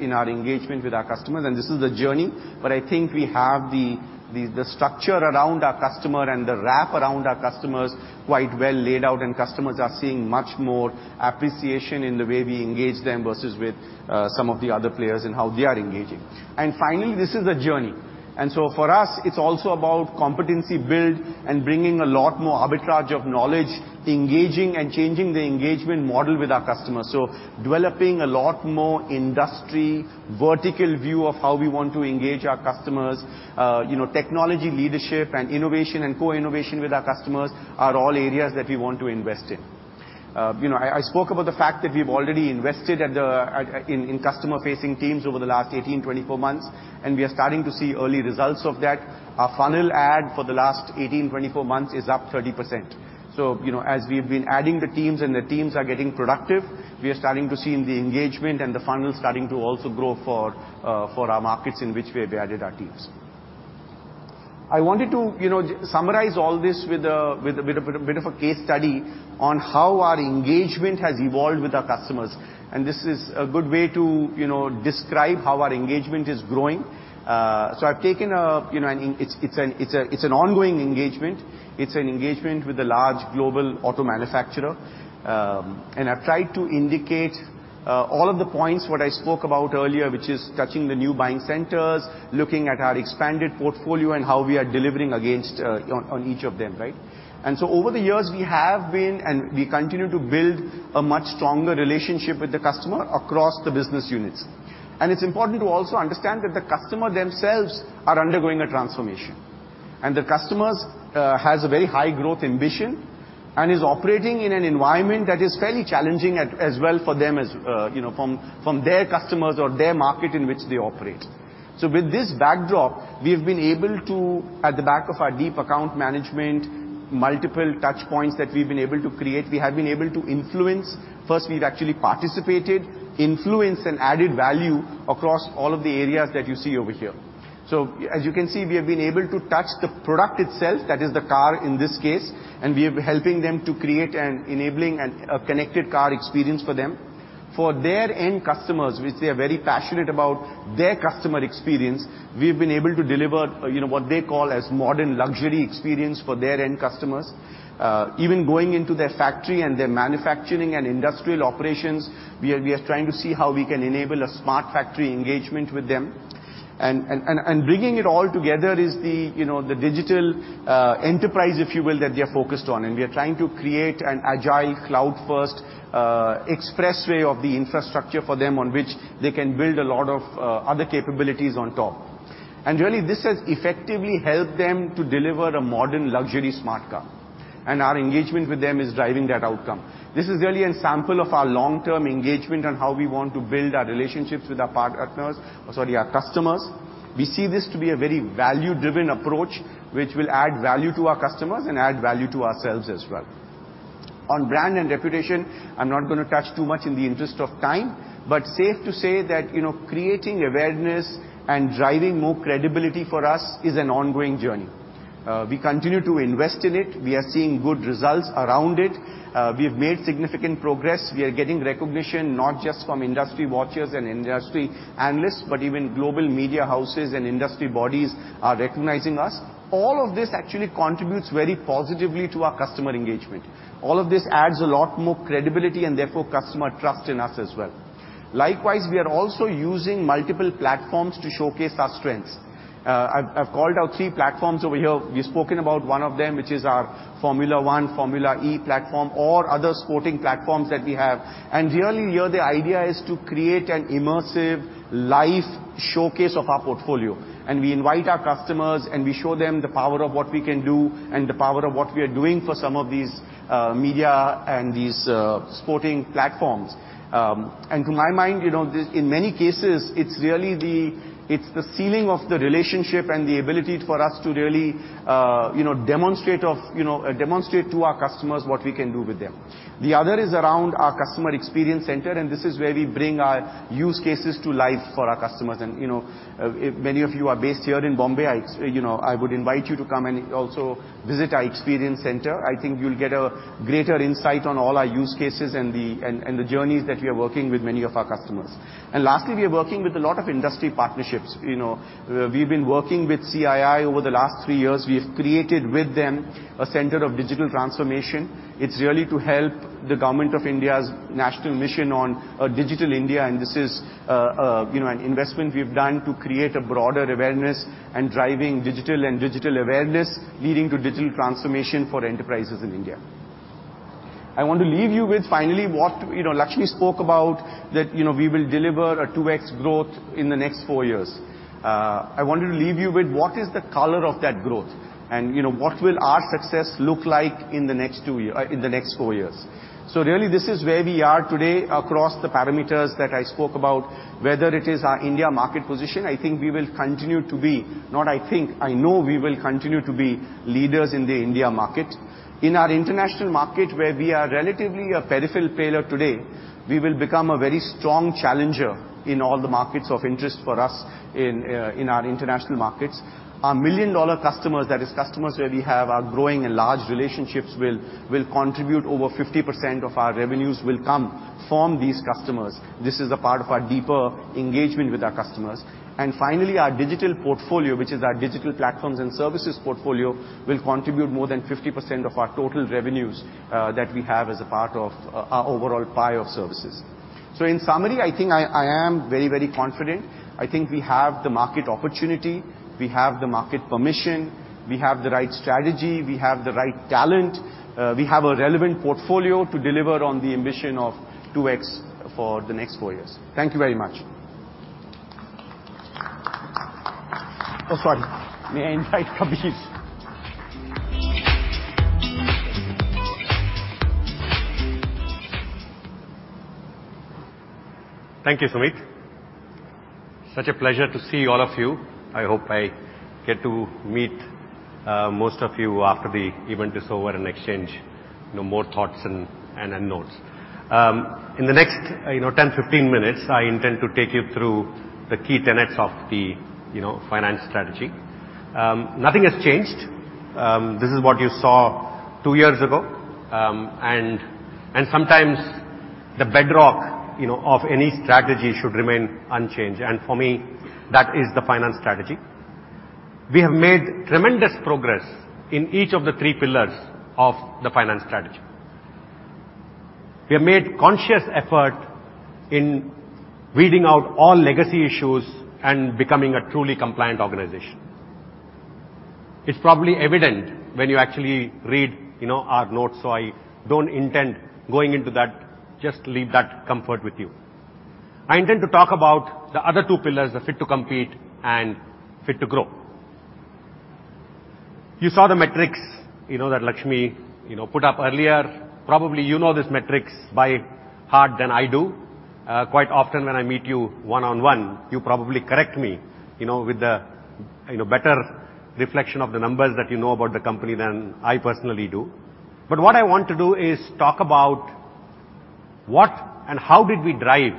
in our engagement with our customers, and this is a journey. I think we have the structure around our customer and the wrap around our customers quite well laid out, and customers are seeing much more appreciation in the way we engage them versus with some of the other players and how they are engaging. Finally, this is a journey. So for us, it's also about competency build and bringing a lot more arbitrage of knowledge, engaging and changing the engagement model with our customers. Developing a lot more industry, vertical view of how we want to engage our customers, you know, technology leadership and innovation and co-innovation with our customers are all areas that we want to invest in. You know, I spoke about the fact that we've already invested at the... at, in customer-facing teams over the last 18, 24 months, and we are starting to see early results of that. Our funnel ad for the last 18, 24 months is up 30%. You know, as we've been adding the teams and the teams are getting productive, we are starting to see in the engagement and the funnel starting to also grow for our markets in which we have added our teams. I wanted to, you know, summarize all this with a bit of a case study on how our engagement has evolved with our customers, and this is a good way to, you know, describe how our engagement is growing. I've taken a, you know, an ongoing engagement. It's an engagement with a large global auto manufacturer. I've tried to indicate all of the points, what I spoke about earlier, which is touching the new buying centers, looking at our expanded portfolio and how we are delivering against on each of them, right? Over the years, we have been, and we continue to build a much stronger relationship with the customer across the business units. It's important to also understand that the customer themselves are undergoing a transformation, and the customers has a very high growth ambition and is operating in an environment that is fairly challenging as well for them as from their customers or their market in which they operate. With this backdrop, we have been able to, at the back of our deep account management, multiple touch points that we've been able to create, we have been able to influence. First, we've actually participated, influenced and added value across all of the areas that you see over here. As you can see, we have been able to touch the product itself, that is the car in this case, and we are helping them to create and enabling a connected car experience for them. For their end customers, which they are very passionate about their customer experience, we've been able to deliver, you know, what they call as modern luxury experience for their end customers. Even going into their factory and their manufacturing and industrial operations, we are trying to see how we can enable a smart factory engagement with them. Bringing it all together is the, you know, the digital enterprise, if you will, that they are focused on. We are trying to create an agile, cloud-first expressway of the infrastructure for them, on which they can build a lot of other capabilities on top. Really, this has effectively helped them to deliver a modern luxury smart car, and our engagement with them is driving that outcome. This is really a sample of our long-term engagement and how we want to build our relationships with our partners, sorry, our customers. We see this to be a very value-driven approach, which will add value to our customers and add value to ourselves as well. On brand and reputation, I'm not going to touch too much in the interest of time, safe to say that, you know, creating awareness and driving more credibility for us is an ongoing journey. We continue to invest in it. We are seeing good results around it. We have made significant progress. We are getting recognition, not just from industry watchers and industry analysts, but even global media houses and industry bodies are recognizing us. All of this actually contributes very positively to our customer engagement. All of this adds a lot more credibility and therefore customer trust in us as well. Likewise, we are also using multiple platforms to showcase our strengths. I've called out three platforms over here. We've spoken about one of them, which is our Formula One, Formula E platform, or other sporting platforms that we have. Really here the idea is to create an immersive live showcase of our portfolio, and we invite our customers, and we show them the power of what we can do and the power of what we are doing for some of these media and these sporting platforms. To my mind, you know, this, in many cases, it's really the ceiling of the relationship and the ability for us to really, you know, demonstrate to our customers what we can do with them. The other is around our customer experience center, and this is where we bring our use cases to life for our customers. You know, if many of you are based here in Bombay, I, you know, I would invite you to come and also visit our experience center. I think you'll get a greater insight on all our use cases and the journeys that we are working with many of our customers. Lastly, we are working with a lot of industry partnerships. You know, we've been working with CII over the last three years. We have created with them a center of digital transformation. It's really to help the Government of India's national mission on Digital India. This is, you know, an investment we've done to create a broader awareness and driving digital and digital awareness, leading to digital transformation for enterprises in India.... I want to leave you with, finally, what, you know, Lakshmi spoke about, that, you know, we will deliver a 2x growth in the next four years. I wanted to leave you with what is the color of that growth, and, you know, what will our success look like in the next two years, in the next four years? Really, this is where we are today across the parameters that I spoke about, whether it is our India market position. I think we will continue to be. Not I think, I know we will continue to be leaders in the India market. In our international market, where we are relatively a peripheral player today, we will become a very strong challenger in all the markets of interest for us in our international markets. Our million-dollar customers, that is, customers where we have our growing and large relationships, will contribute over 50% of our revenues will come from these customers. This is a part of our deeper engagement with our customers. Finally, our digital portfolio, which is our Digital Platforms and Services portfolio, will contribute more than 50% of our total revenues that we have as a part of our overall pie of services. In summary, I think I am very, very confident. I think we have the market opportunity, we have the market permission, we have the right strategy, we have the right talent, we have a relevant portfolio to deliver on the ambition of 2x for the next four years. Thank you very much. Sorry. May I invite Kabir? Thank you, Sumeet. Such a pleasure to see all of you. I hope I get to meet most of you after the event is over and exchange, you know, more thoughts and unknowns. In the next, you know, 10, 15 minutes, I intend to take you through the key tenets of the, you know, finance strategy. Nothing has changed. This is what you saw two years ago. Sometimes the bedrock, you know, of any strategy should remain unchanged, and for me, that is the finance strategy. We have made tremendous progress in each of the three pillars of the finance strategy. We have made conscious effort in weeding out all legacy issues and becoming a truly compliant organization. It's probably evident when you actually read, you know, our notes, I don't intend going into that. Just leave that comfort with you. I intend to talk about the other two pillars, the fit to compete and fit to grow. You saw the metrics, you know, that Lakshmi, you know, put up earlier. Probably, you know, these metrics by heart than I do. Quite often, when I meet you one-on-one, you probably correct me, you know, with the, you know, better reflection of the numbers that you know about the company than I personally do. What I want to do is talk about what and how did we drive,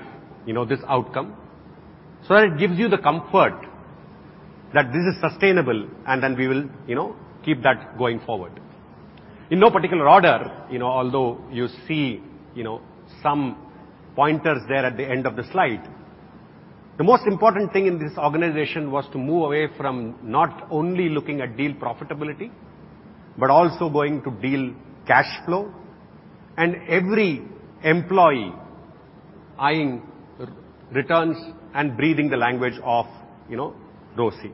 you know, this outcome, so that it gives you the comfort that this is sustainable, and then we will, you know, keep that going forward. In no particular order, you know, although you see, you know, some pointers there at the end of the slide, the most important thing in this organization was to move away from not only looking at deal profitability, but also going to deal cash flow, and every employee eyeing returns and breathing the language of, you know, ROSI.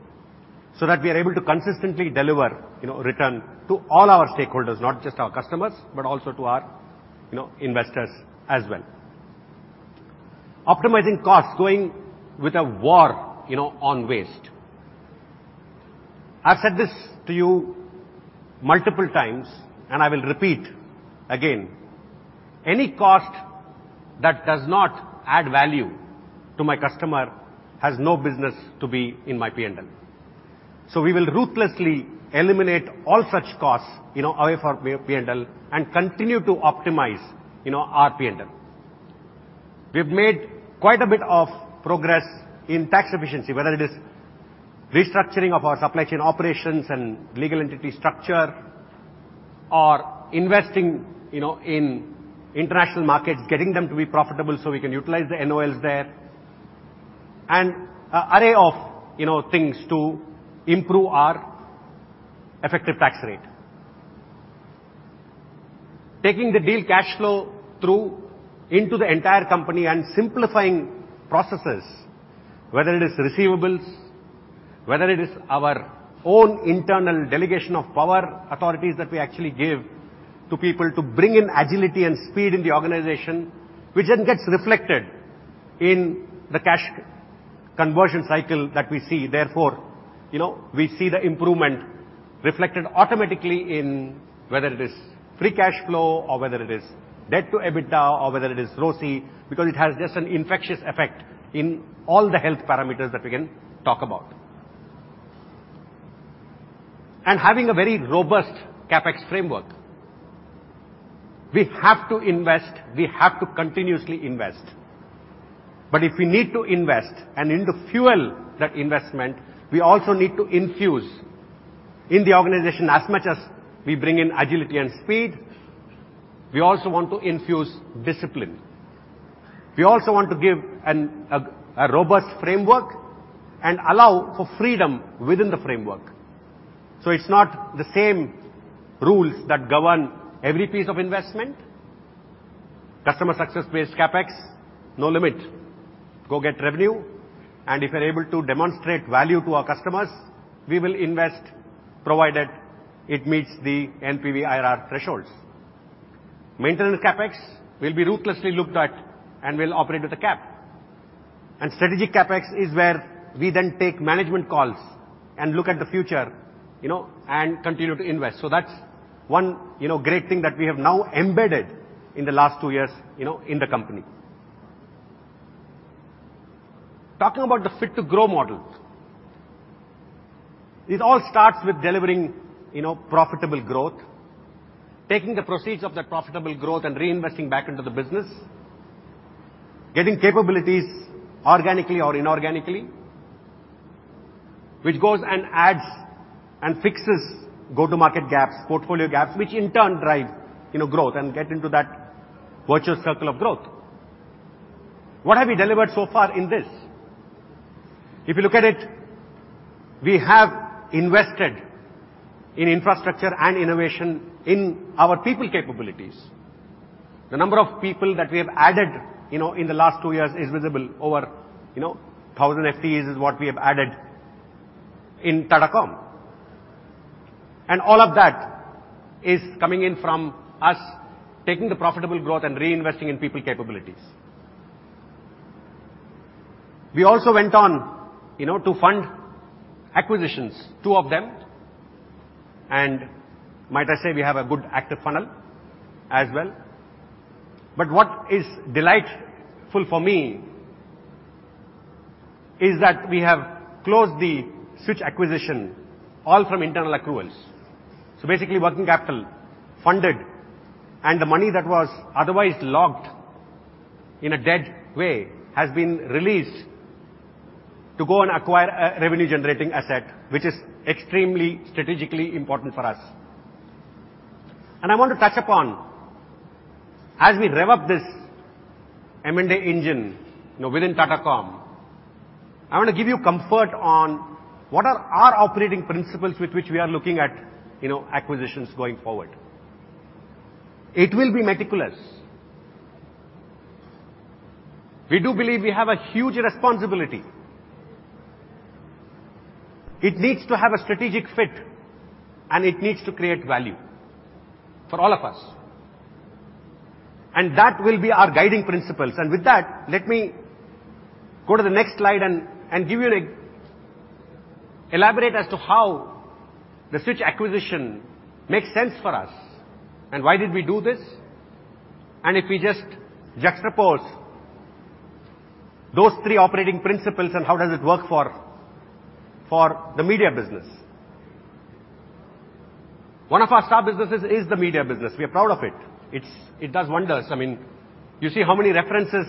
That we are able to consistently deliver, you know, return to all our stakeholders, not just our customers, but also to our, you know, investors as well. Optimizing costs, going with a war, you know, on waste. I've said this to you multiple times, and I will repeat again: Any cost that does not add value to my customer has no business to be in my P&L. We will ruthlessly eliminate all such costs, you know, away from P&L and continue to optimize, you know, our P&L. We've made quite a bit of progress in tax efficiency, whether it is restructuring of our supply chain operations and legal entity structure, or investing, you know, in international markets, getting them to be profitable so we can utilize the NOLs there, and a array of, you know, things to improve our effective tax rate. Taking the deal cash flow through into the entire company and simplifying processes, whether it is receivables, whether it is our own internal delegation of power, authorities that we actually give to people to bring in agility and speed in the organization, which then gets reflected in the cash conversion cycle that we see. Therefore, you know, we see the improvement reflected automatically in whether it is free cash flow or whether it is debt to EBITDA or whether it is ROSI, because it has just an infectious effect in all the health parameters that we can talk about. Having a very robust CapEx framework. We have to invest, we have to continuously invest. If we need to invest, and then to fuel that investment, we also need to infuse in the organization, as much as we bring in agility and speed, we also want to infuse discipline. We also want to give a robust framework and allow for freedom within the framework. It's not the same rules that govern every piece of investment. Customer success-based CapEx, no limit. Go get revenue, and if you're able to demonstrate value to our customers, we will invest, provided it meets the NPV IRR thresholds. Maintenance CapEx will be ruthlessly looked at, and we'll operate with a cap. Strategic CapEx is where we then take management calls and look at the future, you know, and continue to invest. That's one, you know, great thing that we have now embedded in the last two years, you know, in the company. Talking about the fit to grow model. It all starts with delivering, you know, profitable growth, taking the proceeds of that profitable growth and reinvesting back into the business, getting capabilities organically or inorganically, which goes and adds and fixes go-to-market gaps, portfolio gaps, which in turn drive, you know, growth and get into that virtuous circle of growth. What have we delivered so far in this? If you look at it, we have invested in infrastructure and innovation in our people capabilities. The number of people that we have added, you know, in the last two years is visible over, you know, 1,000 FEs is what we have added in Tata Comm. All of that is coming in from us taking the profitable growth and reinvesting in people capabilities. We also went on, you know, to fund acquisitions, two of them, and might I say, we have a good active funnel as well. What is delightful for me is that we have closed The Switch acquisition, all from internal accruals. Basically, working capital funded, and the money that was otherwise locked in a dead way has been released to go and acquire a revenue-generating asset, which is extremely strategically important for us. I want to touch upon, as we rev up this M&A engine, you know, within Tata Comm, I want to give you comfort on what are our operating principles with which we are looking at, you know, acquisitions going forward. It will be meticulous. We do believe we have a huge responsibility. It needs to have a strategic fit, and it needs to create value for all of us, and that will be our guiding principles. With that, let me go to the next slide and give you elaborate as to how The Switch acquisition makes sense for us, and why did we do this? If we just juxtapose those three operating principles, and how does it work for the media business. One of our star businesses is the media business. We are proud of it. It does wonders. I mean, you see how many references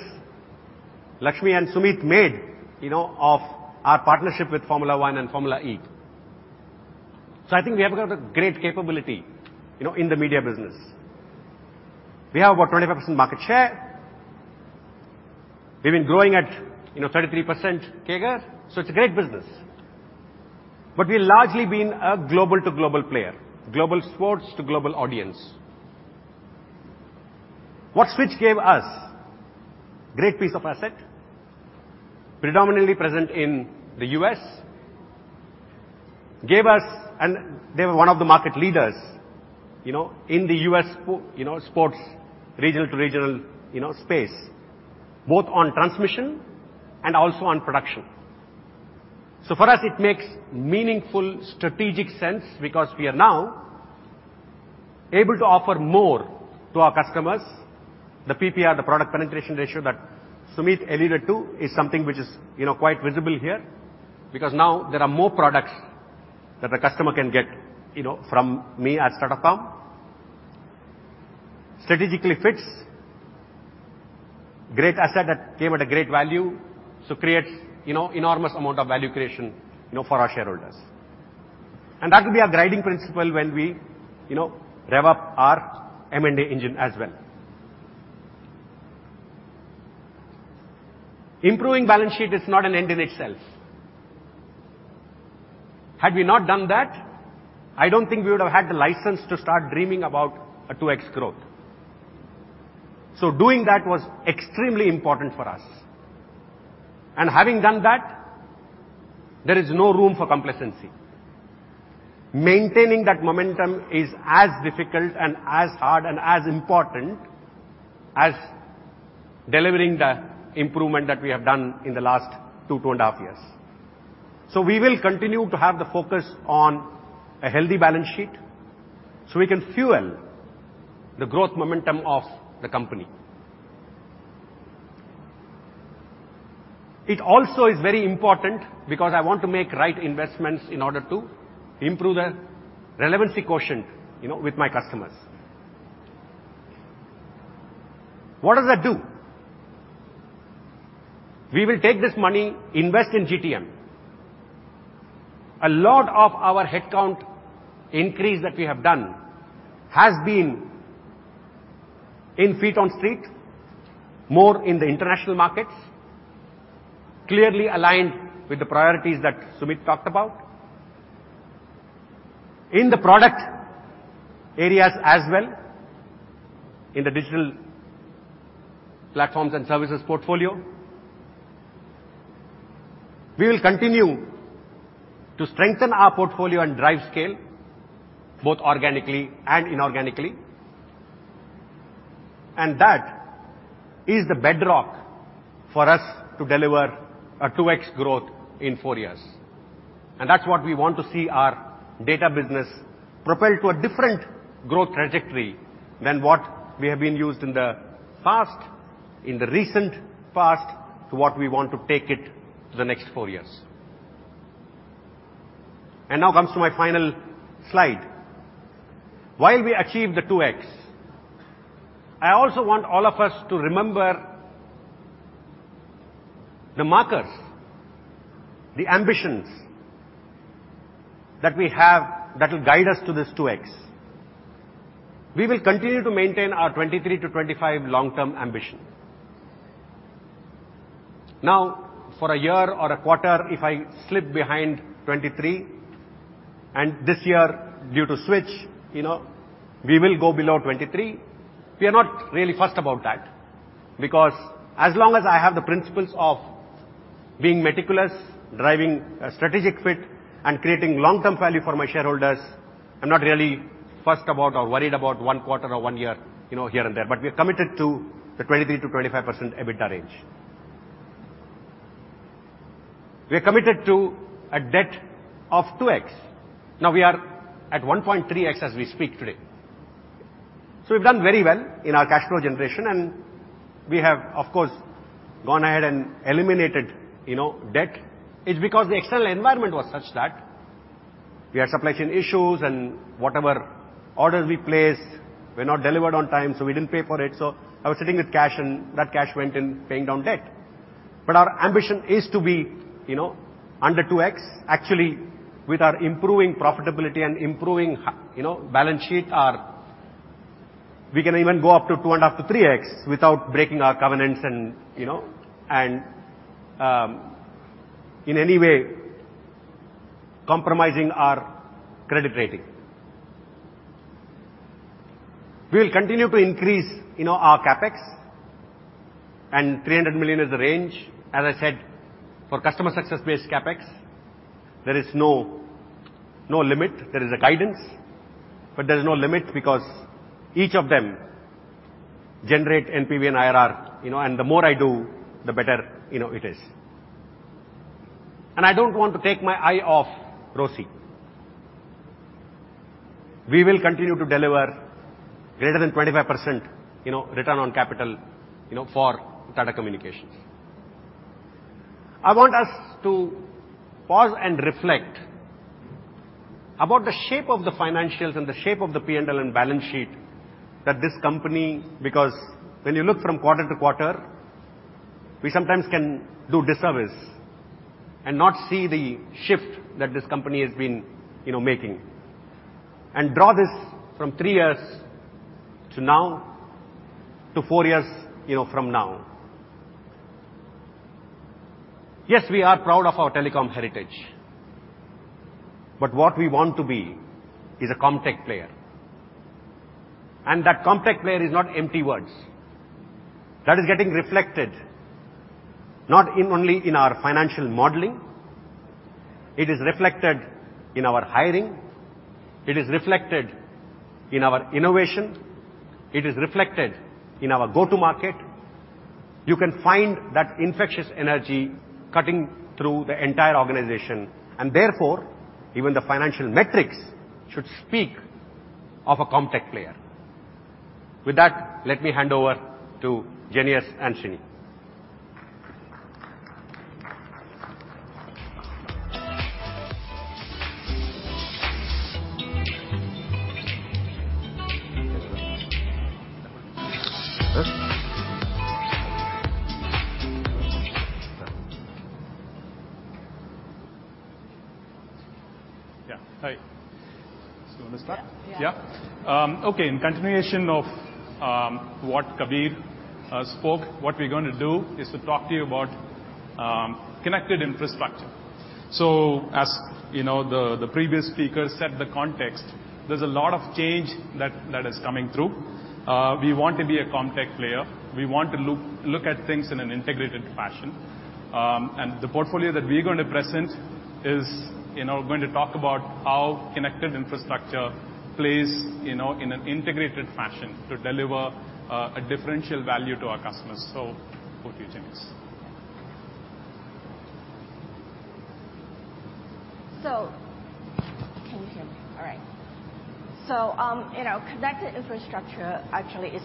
Lakshmi and Sumeet made, you know, of our partnership with Formula One and Formula E. I think we have got a great capability, you know, in the media business. We have about 25% market share. We've been growing at, you know, 33% CAGR. It's a great business, but we've largely been a global-to-global player, global sports to global audience. What Switch gave us, great piece of asset, predominantly present in the US, gave us. And they were one of the market leaders, you know, in the US sports, regional-to-regional, you know, space, both on transmission and also on production. For us, it makes meaningful strategic sense because we are now able to offer more to our customers. The PPR, the product penetration ratio, that Sumeet alluded to, is something which is, you know, quite visible here, because now there are more products that the customer can get, you know, from me as Tata Comm. Strategically fits. Great asset that came at a great value, so creates, you know, enormous amount of value creation, you know, for our shareholders. That will be our guiding principle when we, you know, rev up our M&A engine as well. Improving balance sheet is not an end in itself. Had we not done that, I don't think we would have had the license to start dreaming about a 2x growth. Doing that was extremely important for us, and having done that, there is no room for complacency. Maintaining that momentum is as difficult, and as hard, and as important as delivering the improvement that we have done in the last 2 and a half years. We will continue to have the focus on a healthy balance sheet, so we can fuel the growth momentum of the company. It also is very important because I want to make right investments in order to improve the relevancy quotient, you know, with my customers. What does that do? We will take this money, invest in GTM. A lot of our headcount increase that we have done has been in feet on street, more in the international markets, clearly aligned with the priorities that Sumeet talked about in the product areas as well, in the Digital Platforms and Services portfolio. We will continue to strengthen our portfolio and drive scale, both organically and inorganically. That is the bedrock for us to deliver a 2x growth in four years, and that's what we want to see our data business propelled to a different growth trajectory than what we have been used in the past, in the recent past, to what we want to take it to the next four years. Now comes to my final slide. While we achieve the 2x, I also want all of us to remember the markers, the ambitions that we have that will guide us to this 2x. We will continue to maintain our 23%-25% long-term ambition. Now, for a year or a quarter, if I slip behind 23, and this year, due to The Switch, you know, we will go below 23. We are not really fussed about that, because as long as I have the principles of being meticulous, driving a strategic fit, and creating long-term value for my shareholders, I'm not really fussed about or worried about one quarter or one year, you know, here and there. We are committed to the 23%-25% EBITDA range. We are committed to a debt of 2x. Now, we are at 1.3x as we speak today. We've done very well in our cash flow generation, and we have, of course, gone ahead and eliminated, you know, debt. It's because the external environment was such that we had supply chain issues and whatever orders we placed were not delivered on time, so we didn't pay for it. I was sitting with cash, and that cash went in paying down debt. Our ambition is to be, you know, under 2x. Actually, with our improving profitability and improving, you know, balance sheet, our... We can even go up to 2.5x-3x without breaking our covenants and, you know, and in any way compromising our credit rating. We will continue to increase, you know, our CapEx, and 300 million is the range. As I said, for customer success-based CapEx, there is no limit. There is a guidance, but there is no limit because each of them generate NPV and IRR, you know, and the more I do, the better, you know, it is. I don't want to take my eye off ROSI. We will continue to deliver greater than 25%, you know, return on capital, you know, for Tata Communications. I want us to pause and reflect about the shape of the financials and the shape of the P&L and balance sheet that this company. When you look from quarter to quarter, we sometimes can do disservice and not see the shift that this company has been, you know, making, and draw this from three years to now to four years, you know, from now. Yes, we are proud of our telecom heritage, but what we want to be is a Comtech player, and that Comtech player is not empty words. That is getting reflected not in only in our financial modeling, it is reflected in our hiring, it is reflected in our innovation, it is reflected in our go-to market. You can find that infectious energy cutting through the entire organization, and therefore, even the financial metrics should speak of a Comtech player. With that, let me hand over to Genius and Srini. Yeah. Hi. You want to start? Yeah. Yeah? Okay, in continuation of what Kabir spoke, what we're going to do is to talk to you about connected infrastructure. As you know, the previous speaker set the context, there's a lot of change that is coming through. We want to be a Comtech player. We want to look at things in an integrated fashion. The portfolio that we're going to present is, you know, going to talk about how connected infrastructure plays, you know, in an integrated fashion to deliver a differential value to our customers. Over to you, Genius. Can you hear me? All right. You know, connected infrastructure actually is,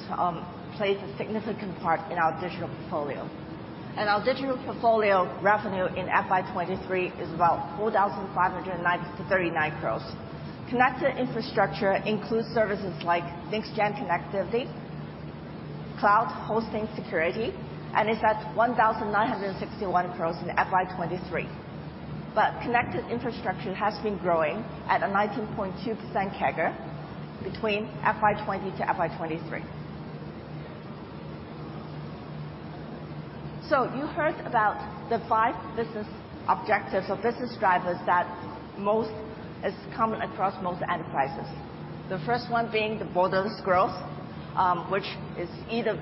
plays a significant part in our digital portfolio. Our digital portfolio revenue in FY23 is about 4,539 crores. Connected infrastructure includes services like next-gen connectivity, cloud hosting security, and it's at 1,961 crores in FY23. Connected infrastructure has been growing at a 19.2% CAGR between FY20 to FY23. You heard about the five business objectives or business drivers that most is common across most enterprises. The first one being the borderless growth, which is either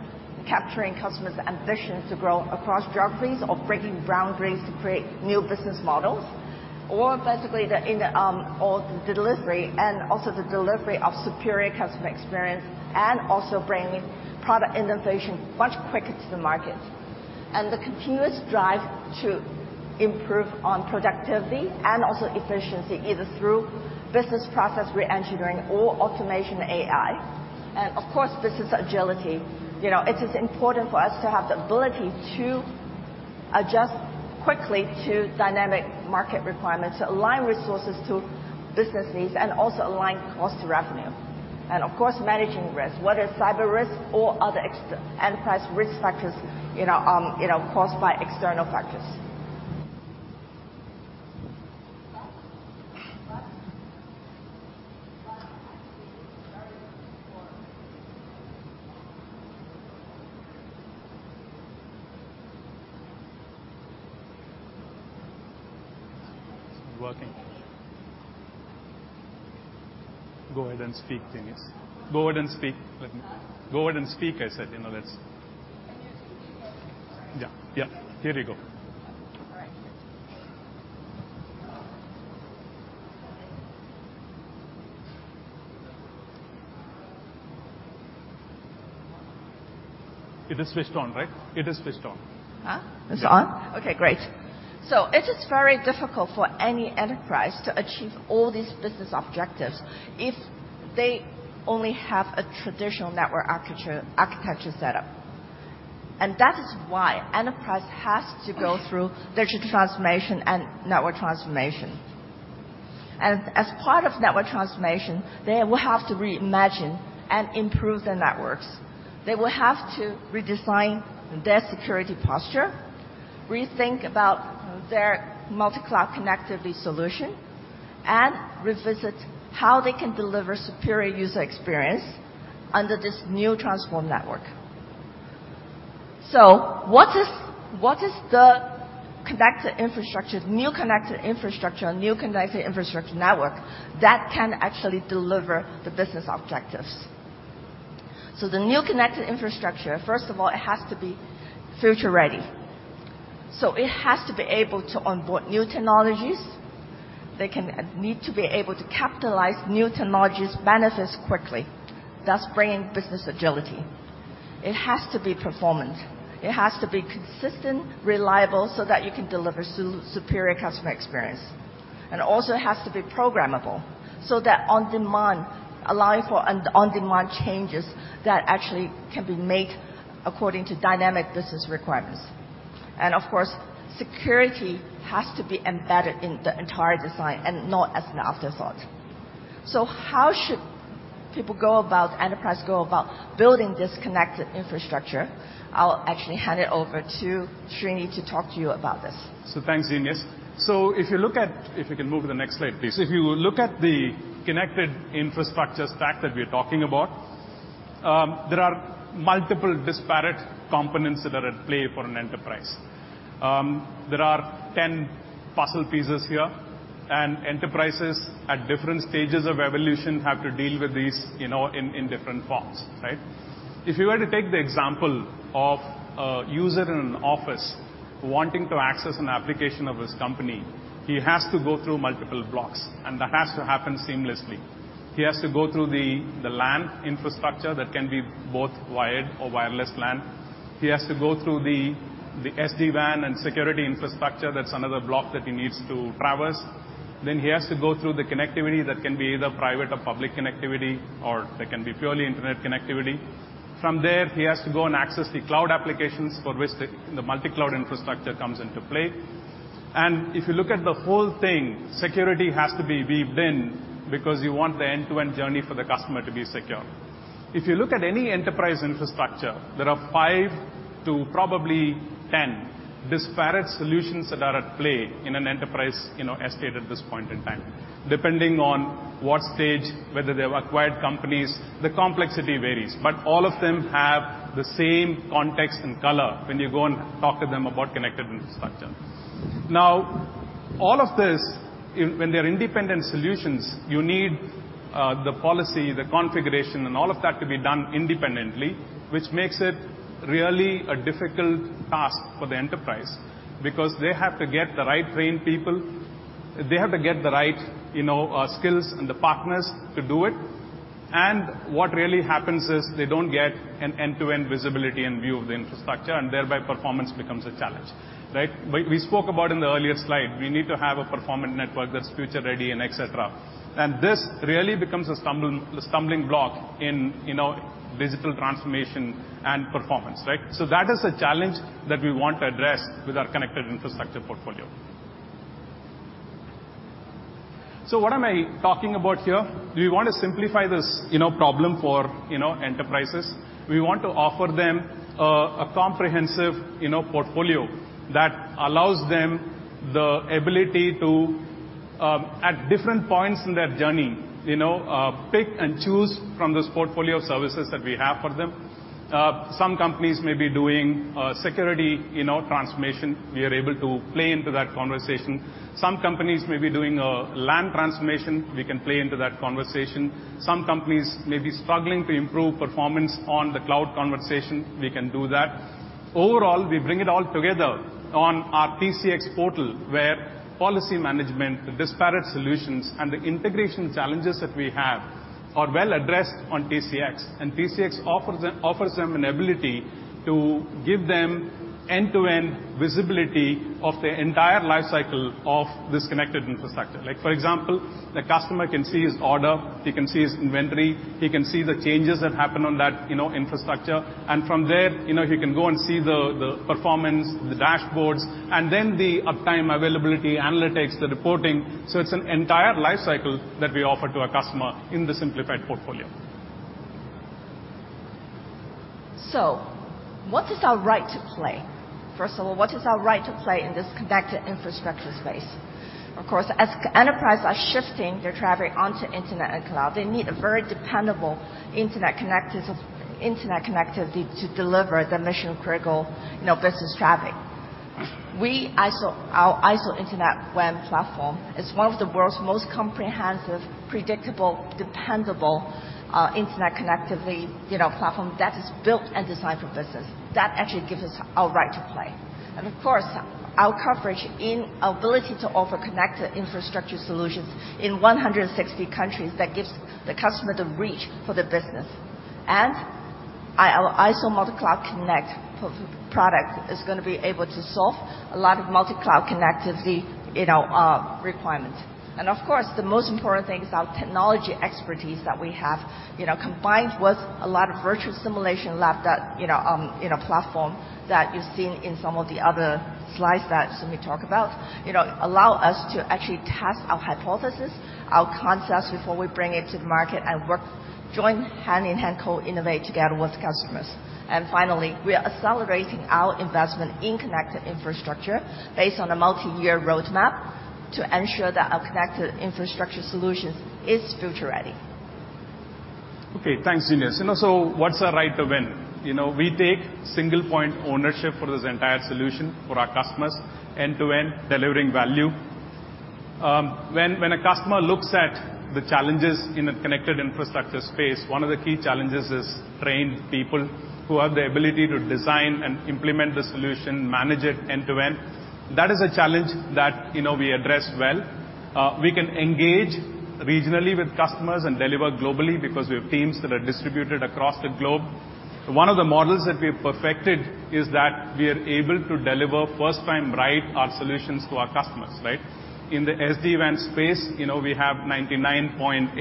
capturing customers' ambition to grow across geographies or breaking boundaries to create new business models, or the delivery, also the delivery of superior customer experience, also bringing product innovation much quicker to the market. The continuous drive to improve on productivity and also efficiency, either through business process re-engineering or automation AI. Of course, business agility. You know, it is important for us to have the ability to adjust quickly to dynamic market requirements, to align resources to business needs, also align cost to revenue. Of course, managing risk, whether cyber risk or other enterprise risk factors, you know, you know, caused by external factors. It's working. Go ahead and speak, Genius. Go ahead and speak. Huh? Go ahead and speak, I said. You know. Can you hear me now? Yeah, yeah. Here we go. All right. It is switched on, right? It is switched on. Huh? It's on? Yeah. Okay, great. It is very difficult for any enterprise to achieve all these business objectives if they only have a traditional network architecture setup. That is why enterprise has to go through digital transformation and network transformation. As part of network transformation, they will have to reimagine and improve their networks. They will have to redesign their security posture, rethink about their multi-cloud connectivity solution, and revisit how they can deliver superior user experience under this new transformed network. What is the connected infrastructure, new connected infrastructure network that can actually deliver the business objectives? The new connected infrastructure, first of all, it has to be future-ready. It has to be able to onboard new technologies. They can need to be able to capitalize new technologies benefits quickly, thus bringing business agility. It has to be performant. It has to be consistent, reliable, so that you can deliver superior customer experience. Also, it has to be programmable, so that on demand, allowing for an on-demand changes that actually can be made according to dynamic business requirements. Of course, security has to be embedded in the entire design and not as an afterthought. How should people go about building this connected infrastructure? I'll actually hand it over to Srini to talk to you about this. Thanks, Genius. If you can move to the next slide, please. If you look at the connected infrastructure stack that we are talking about, there are multiple disparate components that are at play for an enterprise. There are 10 puzzle pieces here, and enterprises at different stages of evolution have to deal with these, you know, in different forms, right? If you were to take the example of a user in an office wanting to access an application of his company, he has to go through multiple blocks, and that has to happen seamlessly. He has to go through the LAN infrastructure that can be both wired or wireless LAN. He has to go through the SD-WAN and security infrastructure. That's another block that he needs to traverse. He has to go through the connectivity that can be either private or public connectivity, or they can be purely Internet connectivity. He has to go and access the cloud applications, for which the multi-cloud infrastructure comes into play. If you look at the whole thing, security has to be weaved in because you want the end-to-end journey for the customer to be secure. If you look at any enterprise infrastructure, there are five to probably 10 disparate solutions that are at play in an enterprise, you know, estate at this point in time. Depending on what stage, whether they have acquired companies, the complexity varies, all of them have the same context and color when you go and talk to them about connected infrastructure. All of this, in, when they are independent solutions, you need the policy, the configuration, and all of that to be done independently, which makes it really a difficult task for the enterprise, because they have to get the right trained people. They have to get the right, you know, skills and the partners to do it. What really happens is, they don't get an end-to-end visibility and view of the infrastructure, and thereby performance becomes a challenge, right? We, we spoke about in the earlier slide, we need to have a performant network that's future-ready, etc. This really becomes a stumbling block in, you know, digital transformation and performance, right? That is a challenge that we want to address with our connected infrastructure portfolio. What am I talking about here? We want to simplify this, you know, problem for, you know, enterprises. We want to offer them a comprehensive, you know, portfolio that allows them the ability at different points in their journey, you know, pick and choose from this portfolio of services that we have for them. Some companies may be doing security, you know, transformation. We are able to play into that conversation. Some companies may be doing a LAN transformation, we can play into that conversation. Some companies may be struggling to improve performance on the cloud conversation, we can do that. Overall, we bring it all together on our TCX portal, where policy management, the disparate solutions, and the integration challenges that we have are well addressed on TCX. TCX offers them an ability to give them end-to-end visibility of the entire life cycle of this connected infrastructure. Like, for example, the customer can see his order, he can see his inventory, he can see the changes that happen on that, you know, infrastructure. From there, you know, he can go and see the performance, the dashboards, the uptime, availability, analytics, the reporting. It's an entire life cycle that we offer to our customer in the simplified portfolio. What is our right to play? First of all, what is our right to play in this connected infrastructure space? Of course, as enterprise are shifting their traffic onto internet and cloud, they need a very dependable internet connectivity to deliver the mission-critical, you know, business traffic. We, IZO, our IZO Internet WAN platform, is one of the world's most comprehensive, predictable, dependable, internet connectivity, you know, platform that is built and designed for business. That actually gives us our right to play. Of course, our coverage in our ability to offer connected infrastructure solutions in 160 countries, that gives the customer the reach for the business. Our IZO™ Multi Cloud Connect product is gonna be able to solve a lot of multi cloud connectivity, you know, requirements. Of course, the most important thing is our technology expertise that we have, you know, combined with a lot of virtual simulation lab that, you know, in a platform that you've seen in some of the other slides that Sumeet talked about. You know, allow us to actually test our hypothesis, our concepts, before we bring it to the market and work joint, hand-in-hand, co-innovate together with customers. Finally, we are accelerating our investment in connected infrastructure based on a multi-year roadmap to ensure that our connected infrastructure solutions is future-ready. Okay, thanks, Genius. You know, what's our right to win? You know, we take single point ownership for this entire solution for our customers, end-to-end delivering value. When a customer looks at the challenges in a connected infrastructure space, one of the key challenges is trained people who have the ability to design and implement the solution, manage it end to end. That is a challenge that, you know, we address well. We can engage regionally with customers and deliver globally because we have teams that are distributed across the globe. One of the models that we've perfected is that we are able to deliver first time, right, our solutions to our customers, right? In the SD-WAN space, you know, we have 99.8%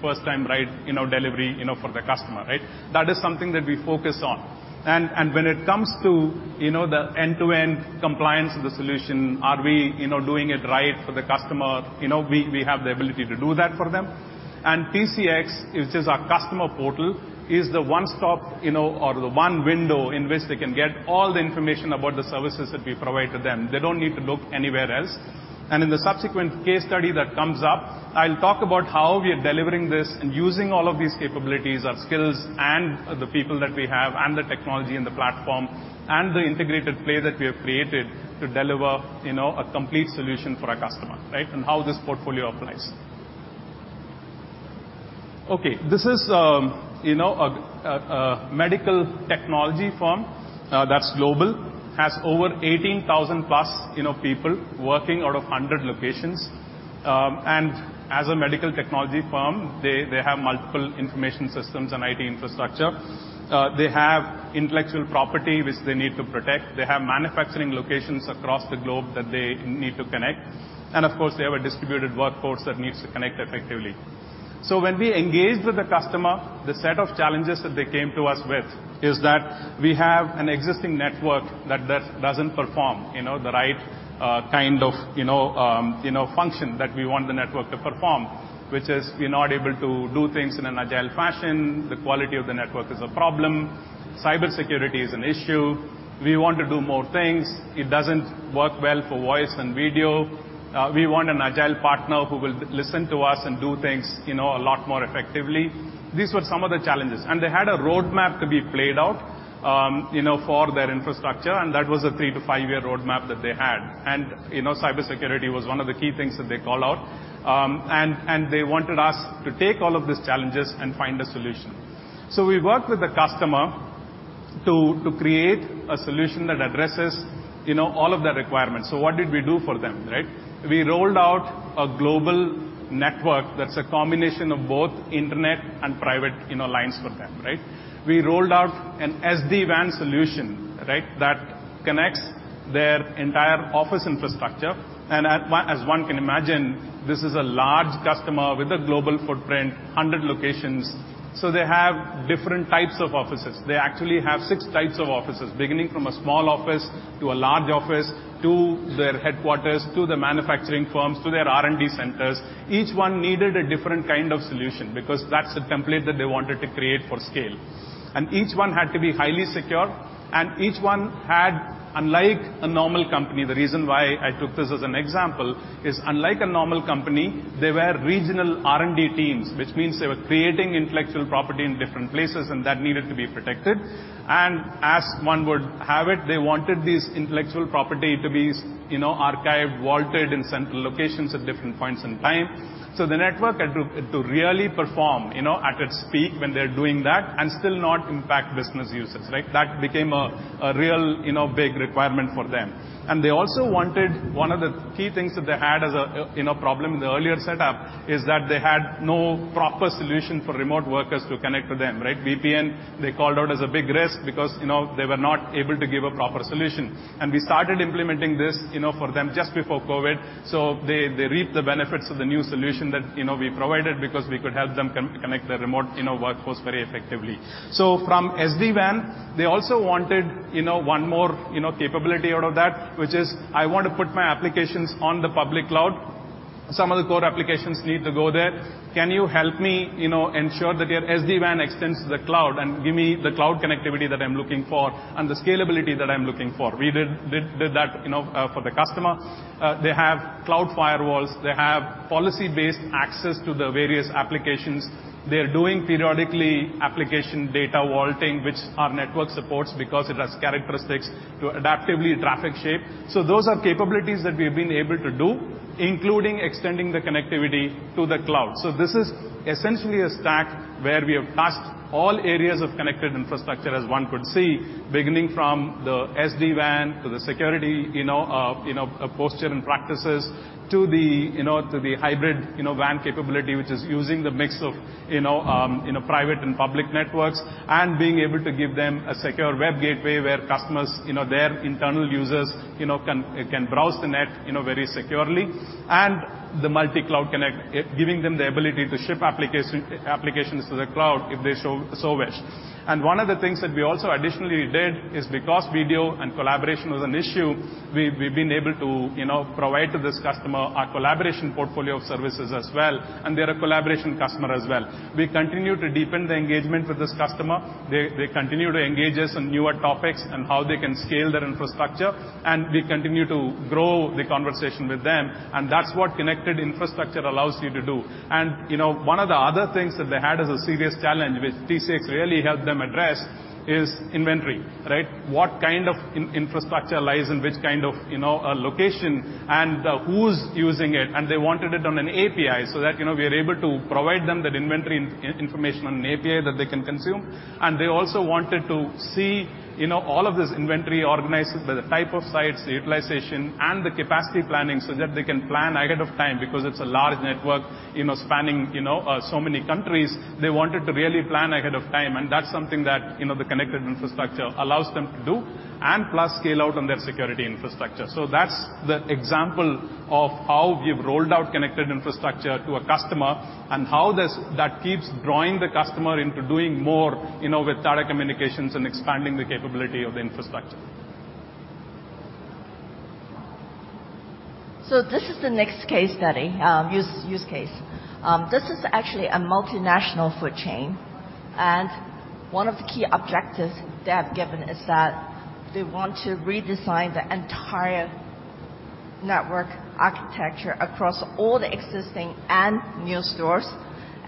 first time, right, delivery for the customer, right? That is something that we focus on. When it comes to, you know, the end-to-end compliance of the solution, are we, you know, doing it right for the customer? You know, we have the ability to do that for them. TCX, which is our customer portal, is the one stop, you know, or the one window in which they can get all the information about the services that we provide to them. They don't need to look anywhere else. In the subsequent case study that comes up, I'll talk about how we are delivering this and using all of these capabilities, our skills and the people that we have, and the technology and the platform, and the integrated play that we have created to deliver, you know, a complete solution for our customer, right? How this portfolio applies. Okay, this is, you know, a medical technology firm that's global, has over 18,000+ you know, people working out of 100 locations. As a medical technology firm, they have multiple information systems and IT infrastructure. They have intellectual property which they need to protect. They have manufacturing locations across the globe that they need to connect. Of course, they have a distributed workforce that needs to connect effectively. When we engaged with the customer, the set of challenges that they came to us with, is that we have an existing network that doesn't perform, you know, the right kind of, you know, function that we want the network to perform. Which is, we're not able to do things in an agile fashion. The quality of the network is a problem. Cybersecurity is an issue. We want to do more things. It doesn't work well for voice and video. We want an agile partner who will listen to us and do things, you know, a lot more effectively. These were some of the challenges. They had a roadmap to be played out, you know, for their infrastructure, and that was a three to five year roadmap that they had. Cybersecurity was one of the key things that they called out. They wanted us to take all of these challenges and find a solution. We worked with the customer to create a solution that addresses, you know, all of the requirements. What did we do for them, right? We rolled out a global network that's a combination of both internet and private, you know, lines for them, right? We rolled out an SD-WAN solution, right? That connects their entire office infrastructure. As one can imagine, this is a large customer with a global footprint, 100 locations. They have different types of offices. They actually have six types of offices, beginning from a small office, to a large office, to their headquarters, to the manufacturing firms, to their R&D centers. Each one needed a different kind of solution because that's the template that they wanted to create for scale. Each one had to be highly secure, and each one had, unlike a normal company, the reason why I took this as an example, is they were regional R&D teams, which means they were creating intellectual property in different places, and that needed to be protected. As one would have it, they wanted this intellectual property to be, you know, archived, vaulted in central locations at different points in time. The network had to really perform, you know, at its peak when they're doing that and still not impact business users, right? That became a real, you know, big requirement for them. One of the key things that they had as a, you know, problem in the earlier setup, is that they had no proper solution for remote workers to connect to them, right? VPN, they called out as a big risk because, you know, they were not able to give a proper solution. We started implementing this, you know, for them just before COVID, so they reaped the benefits of the new solution that, you know, we provided because we could help them connect their remote, you know, workforce very effectively. From SD-WAN, they also wanted, you know, one more, you know, capability out of that, which is, I want to put my applications on the public cloud. Some of the core applications need to go there. Can you help me, you know, ensure that your SD-WAN extends to the cloud, and give me the cloud connectivity that I'm looking for and the scalability that I'm looking for? We did that, you know, for the customer. They have cloud firewalls. They have policy-based access to the various applications. They're doing periodically application data vaulting, which our network supports because it has characteristics to adaptively traffic shape. Those are capabilities that we've been able to do, including extending the connectivity to the cloud. This is essentially a stack where we have touched all areas of connected infrastructure, as one could see, beginning from the SD-WAN to the security, you know, posture and practices, to the, you know, to the hybrid, you know, WAN capability, which is using the mix of, you know, private and public networks, and being able to give them a secure web gateway where customers, you know, their internal users, you know, can browse the net, you know, very securely. The multi-cloud connect, giving them the ability to ship applications to the cloud if they so wish. One of the things that we also additionally did is because video and collaboration was an issue, we've been able to, you know, provide to this customer a collaboration portfolio of services as well, and they're a collaboration customer as well. We continue to deepen the engagement with this customer. They continue to engage us on newer topics and how they can scale their infrastructure, and we continue to grow the conversation with them, and that's what connected infrastructure allows you to do. You know, one of the other things that they had as a serious challenge, which TCX really helped them address, is inventory, right? What kind of infrastructure lies in which kind of, you know, location, and who's using it? They wanted it on an API so that, you know, we are able to provide them that inventory information on an API that they can consume. They also wanted to see, you know, all of this inventory organized by the type of sites, the utilization, and the capacity planning, so that they can plan ahead of time. It's a large network, you know, spanning, you know, so many countries, they wanted to really plan ahead of time, and that's something that, you know, the connected infrastructure allows them to do, and plus scale out on their security infrastructure. That's the example of how we've rolled out connected infrastructure to a customer and how that keeps drawing the customer into doing more, you know, with Tata Communications and expanding the capability of the infrastructure. This is the next case study, use case. This is actually a multinational food chain. One of the key objectives they have given is that they want to redesign the entire network architecture across all the existing and new stores.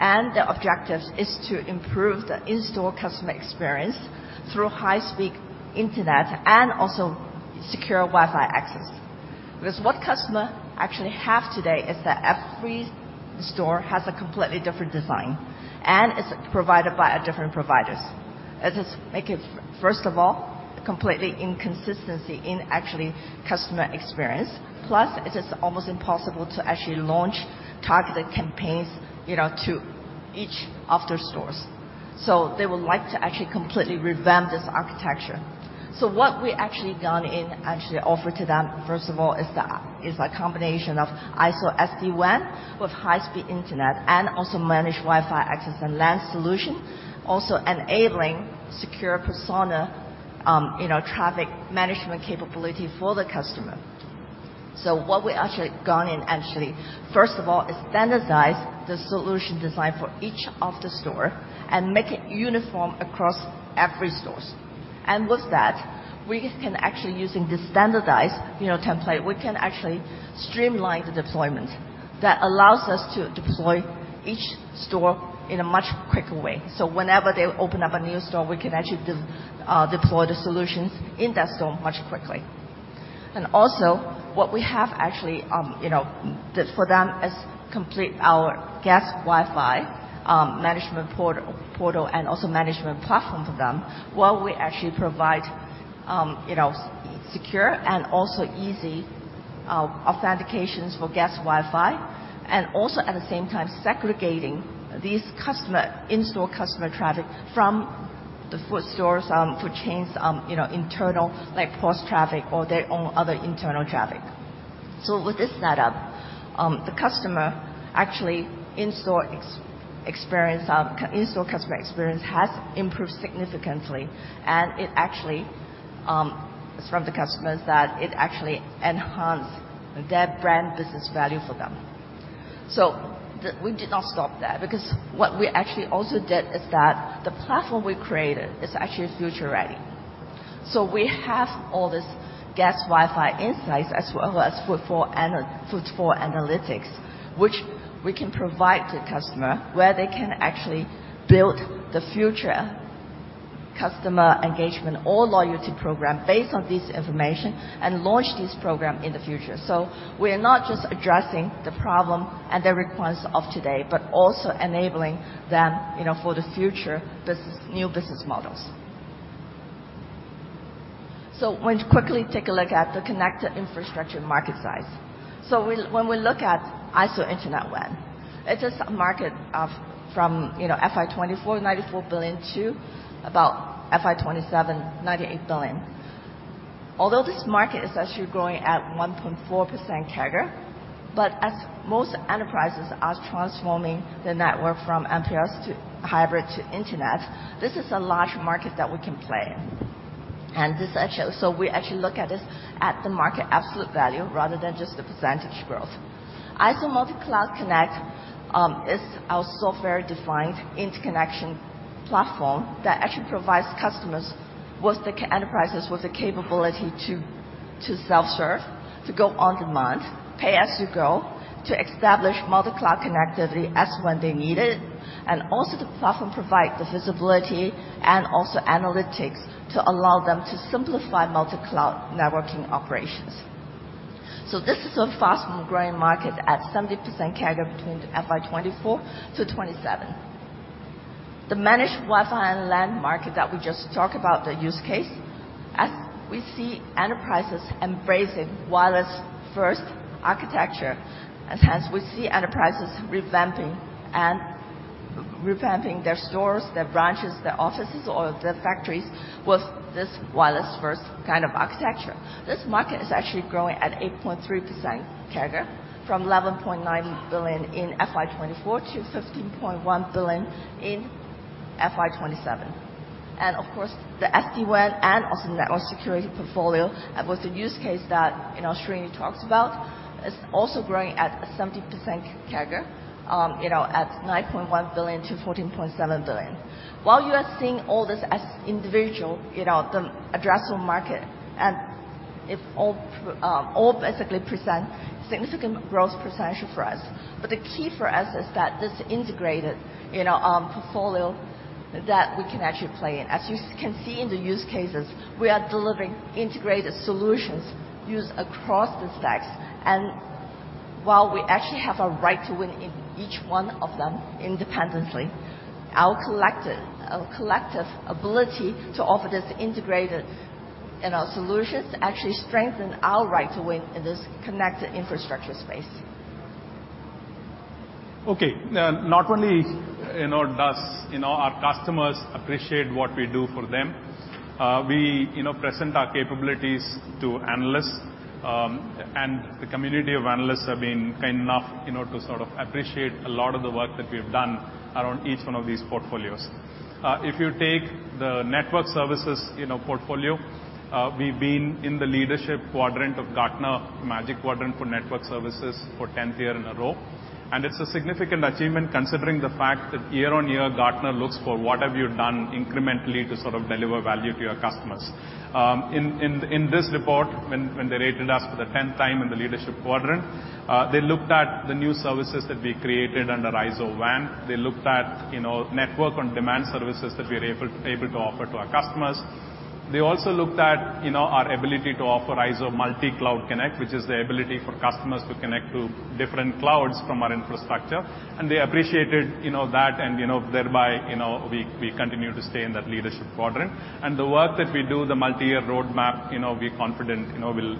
The objectives is to improve the in-store customer experience through high-speed internet and also secure Wi-Fi access. What customer actually have today is that every store has a completely different design, and it's provided by a different providers. It is make it, first of all, completely inconsistency in actually customer experience. It is almost impossible to actually launch targeted campaigns, you know, to each of their stores. They would like to actually completely revamp this architecture. What we actually done and offer to them, first of all, is a combination of IZO SD-WAN with high-speed internet, and also managed Wi-Fi access and LAN solution. Also enabling secure persona, you know, traffic management capability for the customer. What we actually gone in, first of all, is standardize the solution design for each of the store and make it uniform across every stores. With that, we can actually, using this standardized, you know, template, we can actually streamline the deployment. That allows us to deploy each store in a much quicker way. Whenever they open up a new store, we can actually deploy the solutions in that store much quickly. Also, what we have actually, you know, did for them, is complete our guest Wi-Fi management portal and also management platform for them, while we actually provide, you know, secure and also easy authentications for guest Wi-Fi, and also, at the same time, segregating these customer, in-store customer traffic from the food stores on, food chain's, you know, internal, like, cause traffic or their own other internal traffic. With this setup, the customer, actually in-store customer experience has improved significantly, and it actually, from the customers, that it actually enhanced their brand business value for them. We did not stop there, because what we actually also did is that the platform we created is actually future-ready. We have all this guest Wi-Fi insights as well as footfall analytics, which we can provide to the customer, where they can actually build the future customer engagement or loyalty program based on this information and launch this program in the future. We are not just addressing the problem and the requirements of today, but also enabling them, you know, for the future, business, new business models. We'll quickly take a look at the connected infrastructure market size. When we look at IZO™ Internet WAN, it is a market of from, you know, FY 2024, 94 billion to about FY 2027, 98 billion. Although this market is actually growing at 1.4% CAGR, but as most enterprises are transforming their network from MPLS to hybrid to internet, this is a large market that we can play in. This actually, we actually look at this at the market absolute value rather than just the % growth. IZO Multi-Cloud Connect is our software-defined interconnection platform that actually provides customers with the enterprises, with the capability to self-serve, to go on-demand, pay as you go, to establish multi cloud connectivity as when they need it, and also the platform provide the visibility and also analytics to allow them to simplify multi cloud networking operations. This is a fast and growing market at 70% CAGR between FY 2024-2027. The Managed Wi-Fi and LAN market that we just talked about, the use case, as we see enterprises embracing wireless-first architecture, hence we see enterprises revamping their stores, their branches, their offices, or their factories with this wireless-first kind of architecture. This market is actually growing at 8.3% CAGR, from $11.9 billion in FY 2024 to $15.1 billion in FY 2027. Of course, the SD-WAN and also network security portfolio, and with the use case that, you know, Srini talks about, is also growing at 70% CAGR, you know, at $9.1 billion to $14.7 billion. While you are seeing all this as individual, you know, the addressable market, it all basically present significant growth potential for us. The key for us is that this integrated, you know, portfolio, that we can actually play in. As you can see in the use cases, we are delivering integrated solutions used across the stacks. While we actually have a right to win in each one of them independently, our collective ability to offer this integrated, you know, solutions, actually strengthen our right to win in this connected infrastructure space. Okay. Not only, you know, does, you know, our customers appreciate what we do for them, we, you know, present our capabilities to analysts. The community of analysts have been kind enough, you know, to sort of appreciate a lot of the work that we have done around each one of these portfolios. If you take the network services, you know, portfolio, we've been in the leadership quadrant of Gartner Magic Quadrant for Network Services for tenth year in a row, and it's a significant achievement, considering the fact that year-on-year, Gartner looks for what have you done incrementally to sort of deliver value to your customers. In this report, when they rated us for the tenth time in the leadership quadrant, they looked at the new services that we created under IZO WAN. They looked at, you know, network on-demand services that we are able to offer to our customers. They also looked at, you know, our ability to offer IZO Multi Cloud Connect, which is the ability for customers to connect to different clouds from our infrastructure, and they appreciated, you know, that and, you know, thereby, you know, we continue to stay in that leadership quadrant. The work that we do, the multiyear roadmap, you know, we are confident, you know, will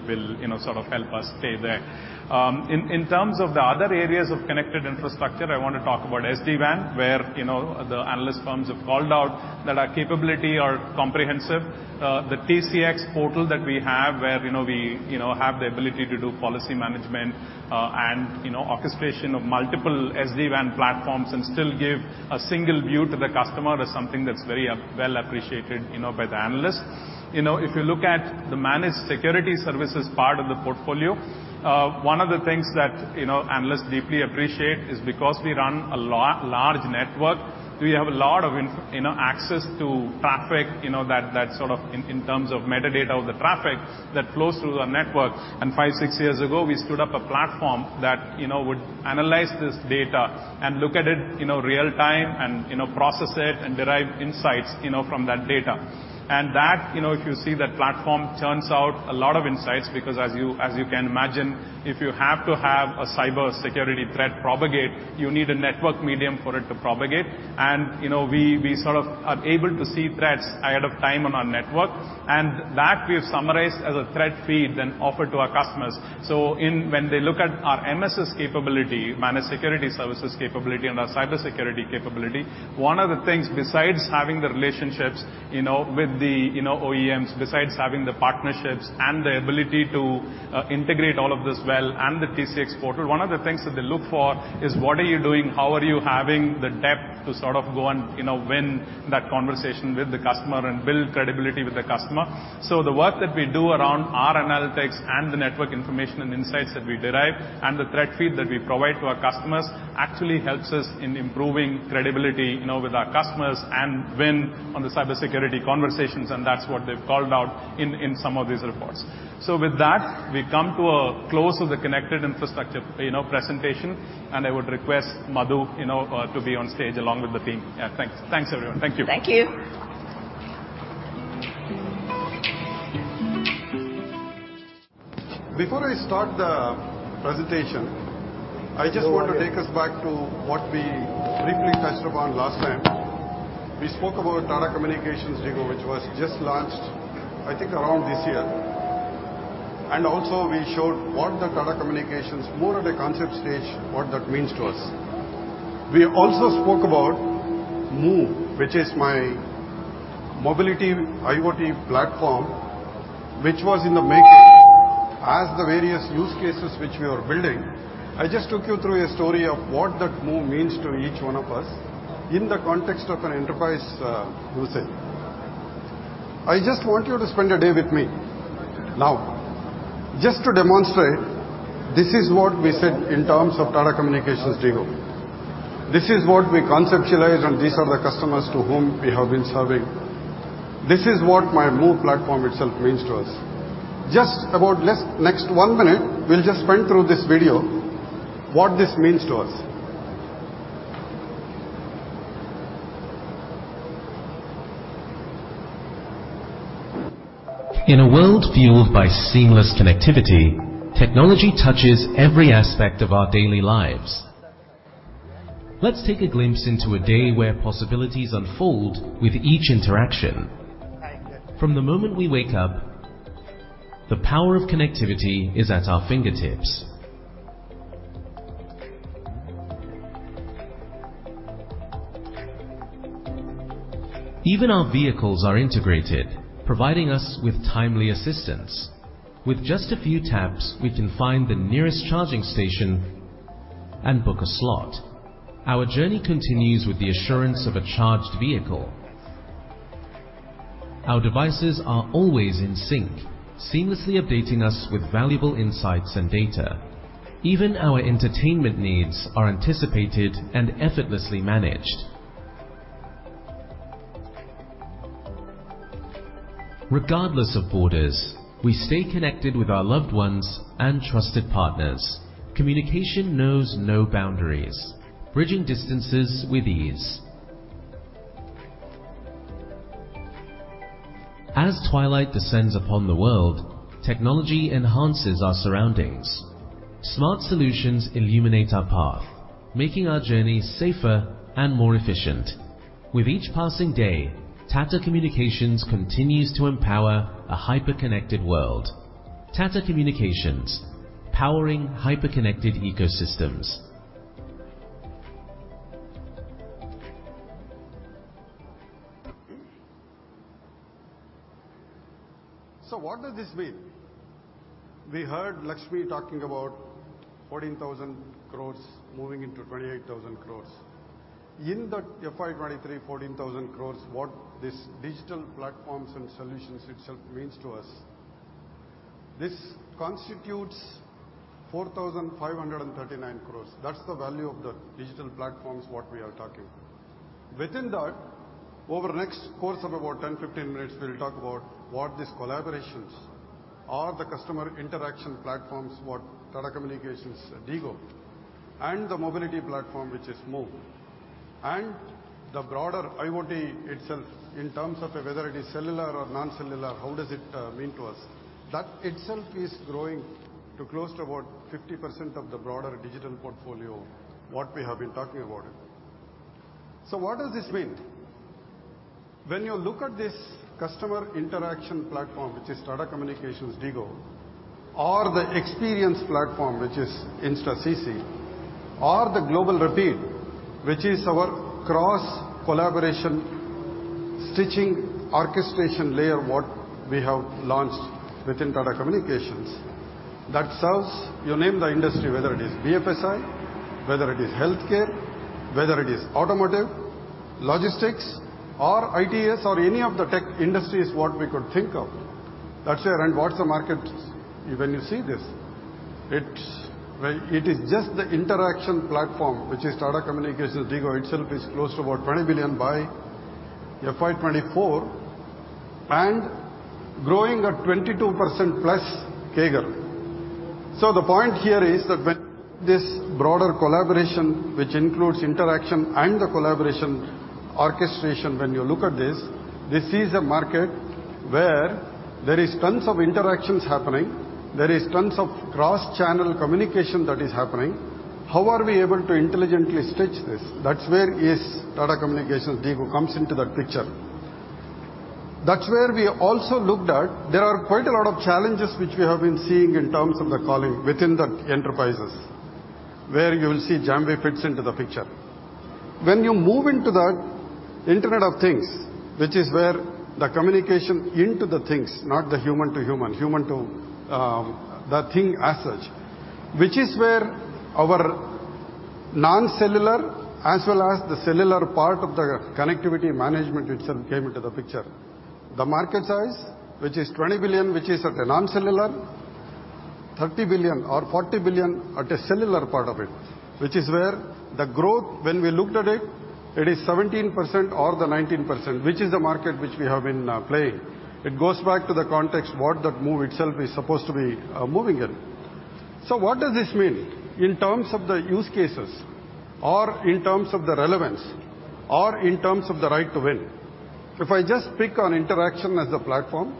sort of help us stay there. In terms of the other areas of connected infrastructure, I want to talk about SD-WAN, where, you know, the analyst firms have called out that our capability are comprehensive. The TCX portal that we have, where, you know, we have the ability to do policy management, and, you know, orchestration of multiple SD-WAN platforms and still give a single view to the customer, is something that's very well appreciated, you know, by the analysts. You know, if you look at the managed security services part of the portfolio, one of the things that, you know, analysts deeply appreciate is because we run a large network, we have a lot of access to traffic, you know, that sort of in terms of metadata of the traffic that flows through our network. Five, six years ago, we stood up a platform that, you know, would analyze this data and look at it, you know, real time and, you know, process it and derive insights, you know, from that data. That, you know, if you see that platform turns out a lot of insights, because as you, as you can imagine, if you have to have a cybersecurity threat propagate, you need a network medium for it to propagate. You know, we sort of are able to see threats ahead of time on our network, and that we've summarized as a threat feed, then offer to our customers. in... When they look at our MSS capability, Managed Security Services capability and our cybersecurity capability, one of the things, besides having the relationships, you know, with the, you know, OEMs, besides having the partnerships and the ability to integrate all of this well, and the TCX portal, one of the things that they look for is: what are you doing? How are you having the depth to sort of go and, you know, win that conversation with the customer and build credibility with the customer? The work that we do around our analytics and the network information and insights that we derive, and the threat feed that we provide to our customers, actually helps us in improving credibility, you know, with our customers and win on the cybersecurity conversations, and that's what they've called out in some of these reports. With that, we come to a close of the connected infrastructure, you know, presentation, and I would request Madhu, you know, to be on stage along with the team. Yeah. Thanks. Thanks, everyone. Thank you. Thank you. Before I start the presentation, I just want to take us back to what we briefly touched upon last time. We spoke about Tata Communications DIGO, which was just launched, I think, around this year. Also we showed what the Tata Communications, more at the concept stage, what that means to us. We also spoke about MOVE, which is my mobility IoT platform, which was in the making as the various use cases which we are building. I just took you through a story of what that MOVE means to each one of us in the context of an enterprise usage. I just want you to spend a day with me. Just to demonstrate, this is what we said in terms of Tata Communications DIGO. This is what we conceptualized, and these are the customers to whom we have been serving. This is what my MOVE platform itself means to us. Just about next one minute, we'll just run through this video, what this means to us. In a world fueled by seamless connectivity, technology touches every aspect of our daily lives. Let's take a glimpse into a day where possibilities unfold with each interaction. From the moment we wake up, the power of connectivity is at our fingertips. Even our vehicles are integrated, providing us with timely assistance. With just a few taps, we can find the nearest charging station and book a slot. Our journey continues with the assurance of a charged vehicle. Our devices are always in sync, seamlessly updating us with valuable insights and data. Even our entertainment needs are anticipated and effortlessly managed. Regardless of borders, we stay connected with our loved ones and trusted partners. Communication knows no boundaries, bridging distances with ease. As twilight descends upon the world, technology enhances our surroundings. Smart solutions illuminate our path, making our journey safer and more efficient. With each passing day, Tata Communications continues to empower a hyperconnected world. Tata Communications, powering hyperconnected ecosystems. What does this mean? We heard Lakshmi talking about 14,000 crore moving into 28,000 crore. In that FY 23, 14,000 crore, what this digital platforms and solutions itself means to us, this constitutes 4,539 crore. That's the value of the digital platforms, what we are talking. Within that, over the next course of about 10, 15 minutes, we'll talk about what these collaborations or the customer interaction platforms, what Tata Communications DIGO and the mobility platform, which is MOVE. The broader IoT itself, in terms of whether it is cellular or non-cellular, how does it mean to us? That itself is growing to close to about 50% of the broader digital portfolio, what we have been talking about it. What does this mean? When you look at this customer interaction platform, which is Tata Communications DIGO, or the experience platform, which is InstaCC™, or the GlobalRapide, which is our cross-collaboration, stitching, orchestration layer, what we have launched within Tata Communications. That serves, you name the industry, whether it is BFSI, whether it is healthcare, whether it is automotive, logistics or ITS, or any of the tech industries what we could think of. That's where, and what's the market when you see this? It's, well, it is just the interaction platform, which is Tata Communications, DIGO itself is close to about 20 billion by FY 2024 and growing at 22%+ CAGR. The point here is that when this broader collaboration, which includes interaction and the collaboration orchestration, when you look at this is a market where there is tons of interactions happening, there is tons of cross-channel communication that is happening. How are we able to intelligently stitch this? That's where is Tata Communications DIGO comes into that picture. That's where we also looked at. There are quite a lot of challenges which we have been seeing in terms of the calling within the enterprises, where you will see JAMVEE fits into the picture. When you move into the Internet of Things, which is where the communication into the things, not the human to human to the thing as such, which is where our non-cellular, as well as the cellular part of the connectivity management itself came into the picture. The market size, which is $20 billion, which is at the non-cellular, $30 billion or $40 billion at a cellular part of it, which is where the growth, when we looked at it is 17% or the 19%, which is the market which we have been playing. It goes back to the context what that move itself is supposed to be moving in. What does this mean in terms of the use cases or in terms of the relevance or in terms of the right to win? If I just pick on interaction as a platform,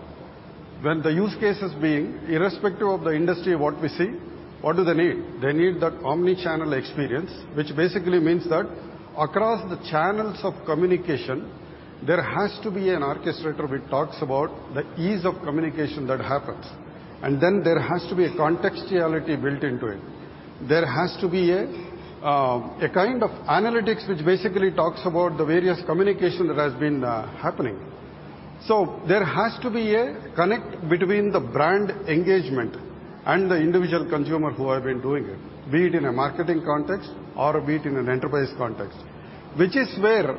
when the use cases being irrespective of the industry, what we see, what do they need? They need that omnichannel experience, which basically means that across the channels of communication, there has to be an orchestrator, which talks about the ease of communication that happens. There has to be a contextuality built into it. There has to be a kind of analytics, which basically talks about the various communication that has been happening. There has to be a connect between the brand engagement and the individual consumer who have been doing it, be it in a marketing context or be it in an enterprise context, which is where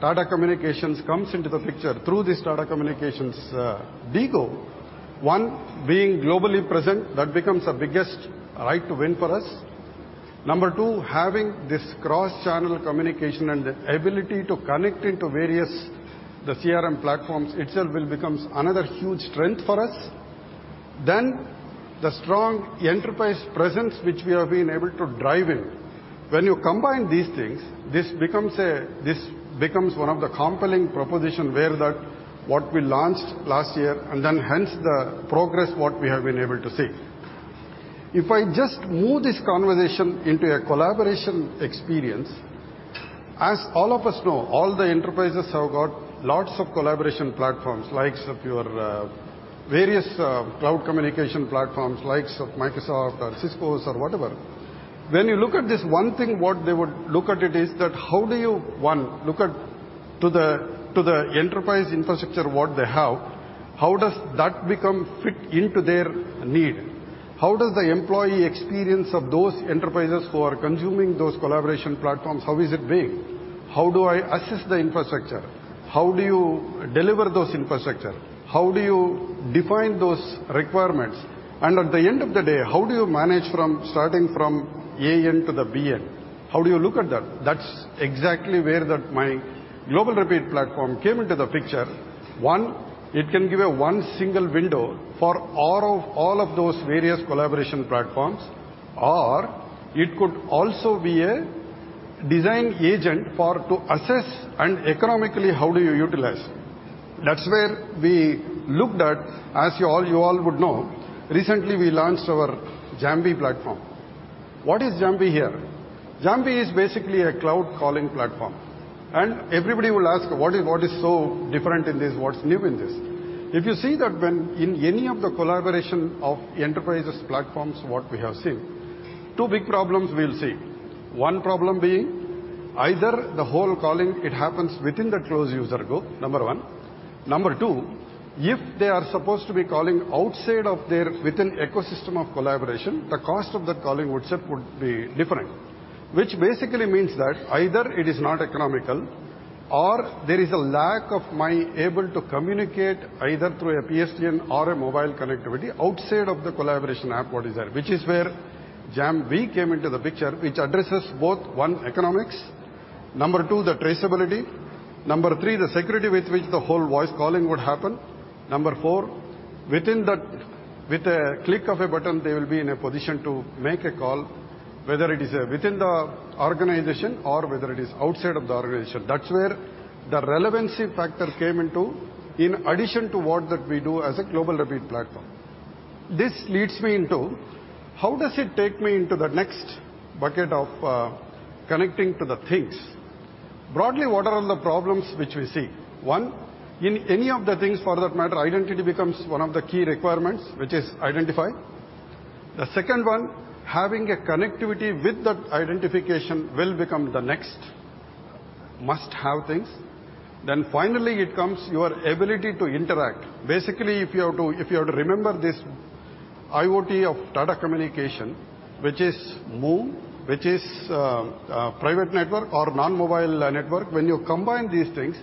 Tata Communications comes into the picture. Through this Tata Communications DIGO, one, being globally present, that becomes our biggest right to win for us. Number two, having this cross-channel communication and the ability to connect into various, the CRM platforms itself will becomes another huge strength for us. The strong enterprise presence, which we have been able to drive in. When you combine these things, this becomes one of the compelling proposition where that what we launched last year, and then hence the progress, what we have been able to see. If I just move this conversation into a collaboration experience, as all of us know, all the enterprises have got lots of collaboration platforms, likes of your various cloud communication platforms, likes of Microsoft or Cisco's or whatever. When you look at this, one thing what they would look at it is that: how do you, one, look at to the enterprise infrastructure what they have, how does that become fit into their need? How does the employee experience of those enterprises who are consuming those collaboration platforms, how is it being? How do I assess the infrastructure? How do you deliver those infrastructure? How do you define those requirements? At the end of the day, how do you manage from starting from AN to the BN? How do you look at that? That's exactly where that my GlobalRapide platform came into the picture. One, it can give a one single window for all of those various collaboration platforms, or it could also be a design agent for to assess and economically, how do you utilize. That's where we looked at. As you all would know, recently we launched our JAMVEE platform. What is JAMVEE here? JAMVEE is basically a cloud calling platform, Everybody will ask: What is so different in this? What's new in this? If you see that when in any of the collaboration of enterprises platforms, what we have seen, two big problems we will see. One problem being either the whole calling, it happens within the closed user group, number one. Number two, if they are supposed to be calling outside of their within ecosystem of collaboration, the cost of that calling would be different, which basically means that either it is not economical or there is a lack of my able to communicate, either through a PSTN or a mobile connectivity outside of the collaboration app, what is there, which is where JAMVEE came into the picture, which addresses both, one, economics, number two, the traceability, number three, the security with which the whole voice calling would happen. Number four, within that, with a click of a button, they will be in a position to make a call, whether it is within the organization or whether it is outside of the organization. That's where the relevancy factor came into, in addition to what that we do as a GlobalRapide platform. This leads me into how does it take me into the next bucket of connecting to the things? Broadly, what are all the problems which we see? One, in any of the things for that matter, identity becomes one of the key requirements, which is identified. The second, having a connectivity with that identification will become the next must-have things. Finally, it comes your ability to interact. Basically, if you have to remember this IoT of Tata Communications, which is MOVE, which is private network or non-mobile network, when you combine these things,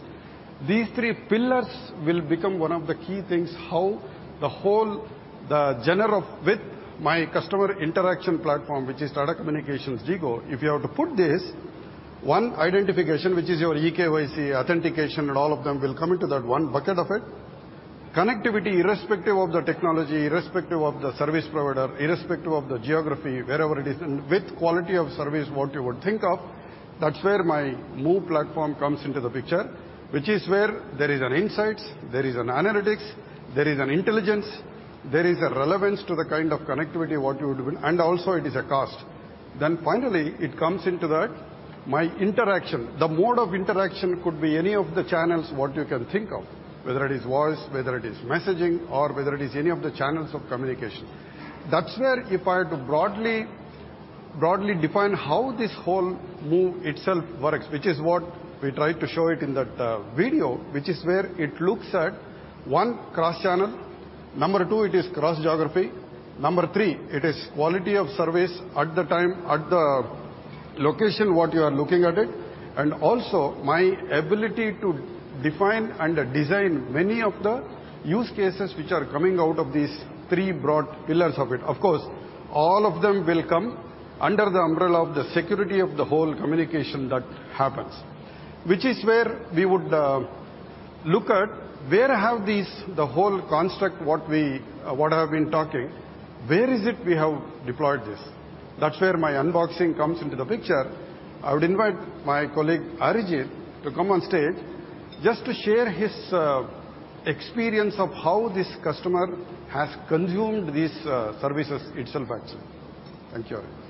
these three pillars will become one of the key things, how the whole the general with my customer interaction platform, which is Tata Communications DIGO. If you have to put this, one identification, which is your eKYC authentication, and all of them will come into that 1 bucket of it. Connectivity, irrespective of the technology, irrespective of the service provider, irrespective of the geography, wherever it is, and with quality of service, what you would think of, that's where my MOVE platform comes into the picture, which is where there is insights, there is an analytics, there is an intelligence, there is a relevance to the kind of connectivity, what you would want, and also it is a cost. Finally, it comes into that, my interaction. The mode of interaction could be any of the channels, what you can think of, whether it is voice, whether it is messaging, or whether it is any of the channels of communication. That's where if I were to broadly define how this whole MOVE itself works, which is what we tried to show it in that video, which is where it looks at, one, cross-channel. Number two, it is cross-geography. Number three, it is quality of service at the time, at the location, what you are looking at it, and also my ability to define and design many of the use cases which are coming out of these three broad pillars of it. Of course, all of them will come under the umbrella of the security of the whole communication that happens, which is where we would look at where have these the whole construct, what we, what I have been talking, where is it we have deployed this? That's where my unboxing comes into the picture. I would invite my colleague, Arijit, to come on stage just to share his experience of how this customer has consumed these services itself, actually. Thank you. Thank you.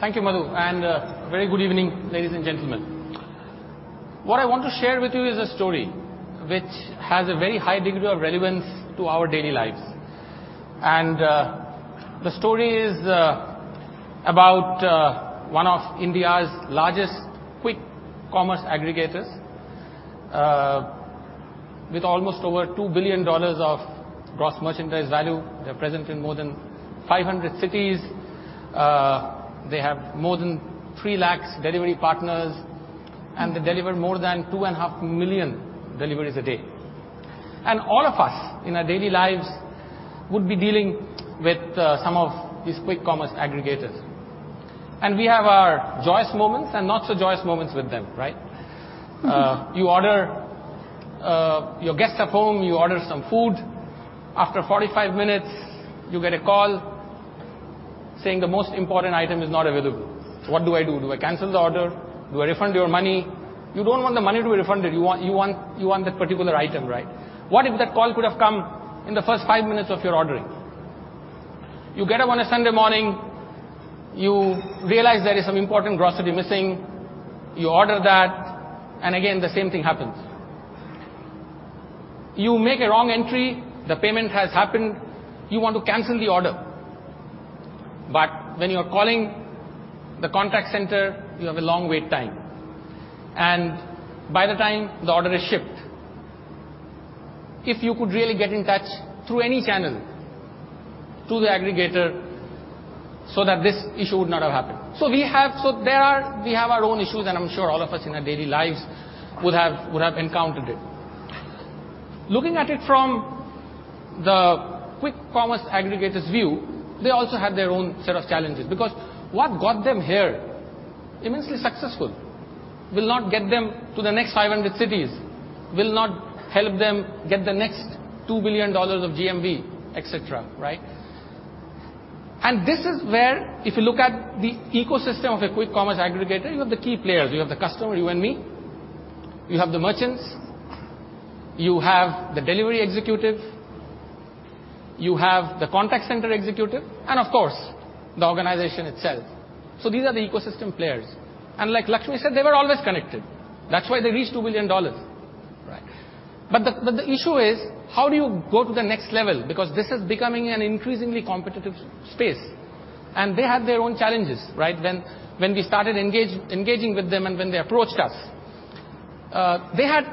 Thank you, Madhu. Very good evening, ladies and gentlemen. What I want to share with you is a story which has a very high degree of relevance to our daily lives. The story is about one of India's largest quick commerce aggregators, with almost over $2 billion of gross merchandise value. They're present in more than 500 cities. They have more than 3 lakh delivery partners, and they deliver more than 2.5 million deliveries a day. All of us in our daily lives would be dealing with some of these quick commerce aggregators. We have our joyous moments and not so joyous moments with them, right? You order. Your guests are home, you order some food. After 45 minutes, you get a call saying the most important item is not available. What do I do? Do I cancel the order? Do I refund your money? You don't want the money to be refunded, you want that particular item, right? What if that call could have come in the first five minutes of your ordering? You get up on a Sunday morning, you realize there is some important grocery missing, you order that, and again, the same thing happens. You make a wrong entry, the payment has happened, you want to cancel the order, but when you are calling the contact center, you have a long wait time, and by the time the order is shipped, if you could really get in touch through any channel to the aggregator so that this issue would not have happened. We have our own issues, and I'm sure all of us in our daily lives would have encountered it. Looking at it from the quick commerce aggregator's view, they also have their own set of challenges, because what got them here, immensely successful, will not get them to the next 500 cities, will not help them get the next $2 billion of GMV, et cetera, right? This is where if you look at the ecosystem of a quick commerce aggregator, you have the key players. You have the customer, you and me, you have the merchants, you have the delivery executive, you have the contact center executive, and of course, the organization itself. These are the ecosystem players. Like Lakshmi said, they were always connected. That's why they reached $2 billion, right? The issue is: how do you go to the next level? Because this is becoming an increasingly competitive space, and they have their own challenges, right? When we started engaging with them and when they approached us, they had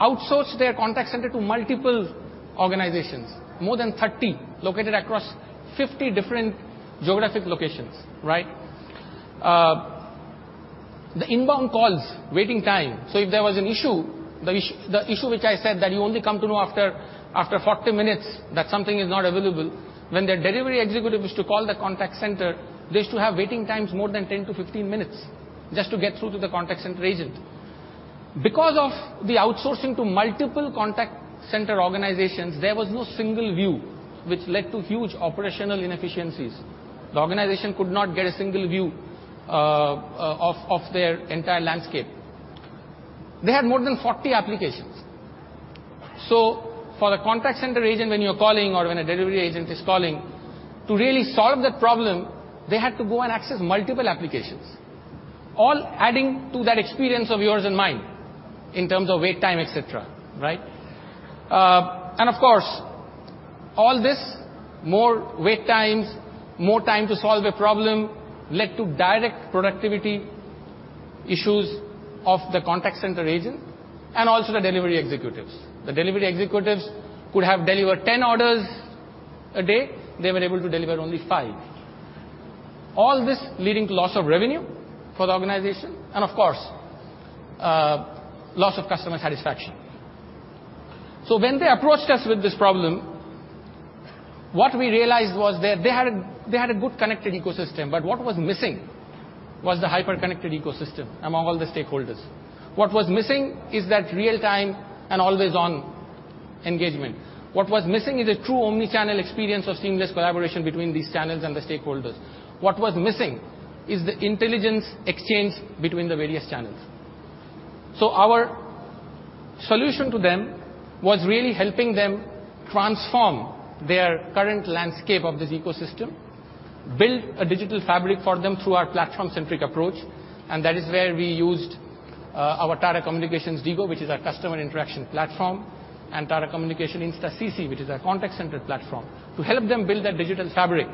outsourced their contact center to multiple organizations, more than 30, located across 50 different geographic locations, right? The inbound calls, waiting time, so if there was an issue, the issue which I said, that you only come to know after 40 minutes, that something is not available, when their delivery executive used to call the contact center, they used to have waiting times more than 10-15 minutes, just to get through to the contact center agent. Because of the outsourcing to multiple contact center organizations, there was no single view, which led to huge operational inefficiencies. The organization could not get a single view of their entire landscape. They had more than 40 applications. For the contact center agent, when you're calling or when a delivery agent is calling, to really solve that problem, they had to go and access multiple applications, all adding to that experience of yours and mine in terms of wait time, et cetera, right? Of course, all this, more wait times, more time to solve a problem, led to direct productivity issues of the contact center agent and also the delivery executives. The delivery executives could have delivered 10 orders a day, they were able to deliver only 5. All this leading to loss of revenue for the organization and, of course, loss of customer satisfaction. When they approached us with this problem, what we realized was that they had a good connected ecosystem, but what was missing was the hyper-connected ecosystem among all the stakeholders. What was missing is that real-time and always-on engagement. What was missing is a true omni-channel experience of seamless collaboration between these channels and the stakeholders. What was missing is the intelligence exchange between the various channels. Our solution to them was really helping them transform their current landscape of this ecosystem, build a Digital Fabric for them through our platform-centric approach, and that is where we used our Tata Communications DIGO, which is our customer interaction platform, and Tata Communications InstaCC™, which is our contact center platform, to help them build that Digital Fabric,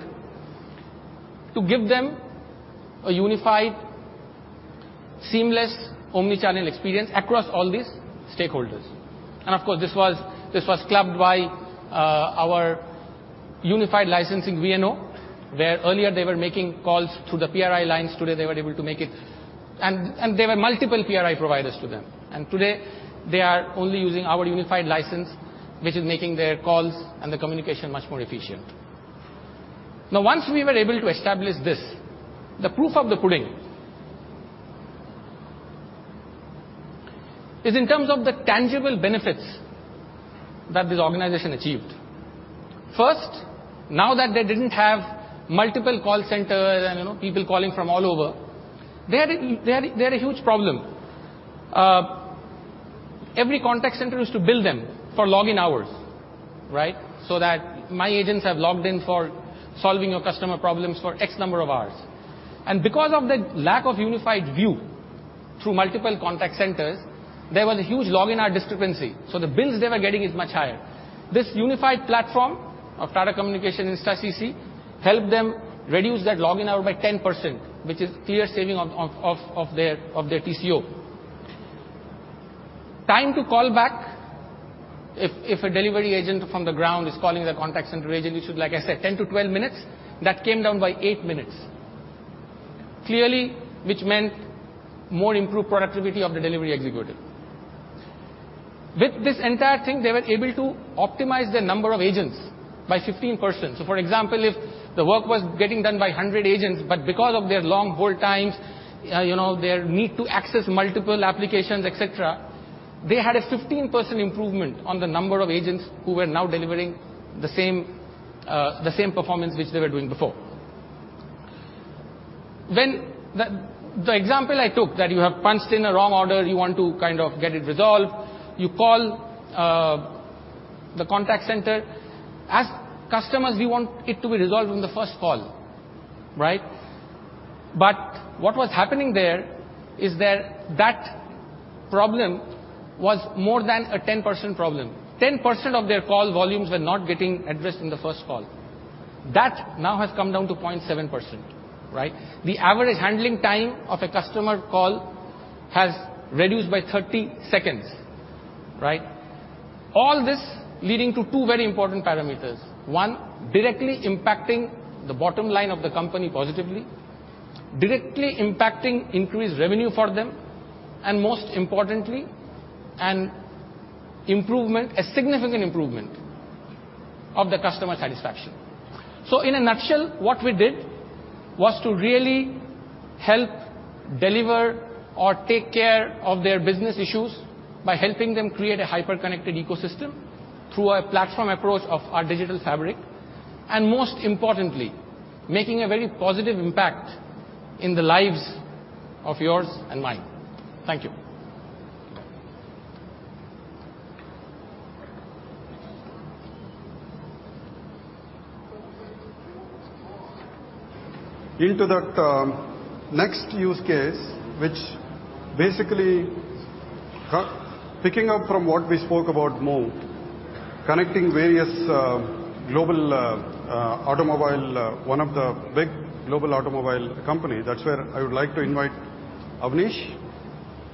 to give them a unified, seamless, omni-channel experience across all these stakeholders. Of course, this was clubbed by our unified licensing VNO, where earlier they were making calls through the PRI lines, today they were able to make it. There were multiple PRI providers to them, and today they are only using our unified license, which is making their calls and the communication much more efficient. Once we were able to establish this, the proof of the pudding is in terms of the tangible benefits that this organization achieved. First, now that they didn't have multiple call centers and, you know, people calling from all over, they had a huge problem. Every contact center used to bill them for login hours, right? That my agents have logged in for solving your customer problems for X number of hours. Because of the lack of unified view through multiple contact centers, there was a huge login hour discrepancy, so the bills they were getting is much higher. This unified platform of Tata Communications InstaCC™ helped them reduce that login hour by 10%, which is clear saving of their TCO. Time to call back, if a delivery agent from the ground is calling the contact center agent, which is, like I said, 10 to 12 minutes, that came down by eight minutes. Clearly, which meant more improved productivity of the delivery executive. With this entire thing, they were able to optimize their number of agents by 15%. For example, if the work was getting done by 100 agents, but because of their long hold times, you know, their need to access multiple applications, et cetera, they had a 15% improvement on the number of agents who were now delivering the same performance which they were doing before. When the example I took, that you have punched in a wrong order, you want to kind of get it resolved, you call the contact center. As customers, we want it to be resolved on the first call, right? What was happening there is that problem was more than a 10% problem. 10% of their call volumes were not getting addressed in the first call. That now has come down to 0.7%, right? The average handling time of a customer call has reduced by 30 seconds, right? All this leading to two very important parameters. One, directly impacting the bottom line of the company positively, directly impacting increased revenue for them, and most importantly, an improvement, a significant improvement, of the customer satisfaction. In a nutshell, what we did was to really help deliver or take care of their business issues by helping them create a hyper-connected ecosystem through a platform approach of our Digital Fabric, and most importantly, making a very positive impact in the lives of yours and mine. Thank you. Into that, next use case, which basically picking up from what we spoke about MOVE, connecting various global automobile one of the big global automobile company. That's where I would like to invite Avneesh.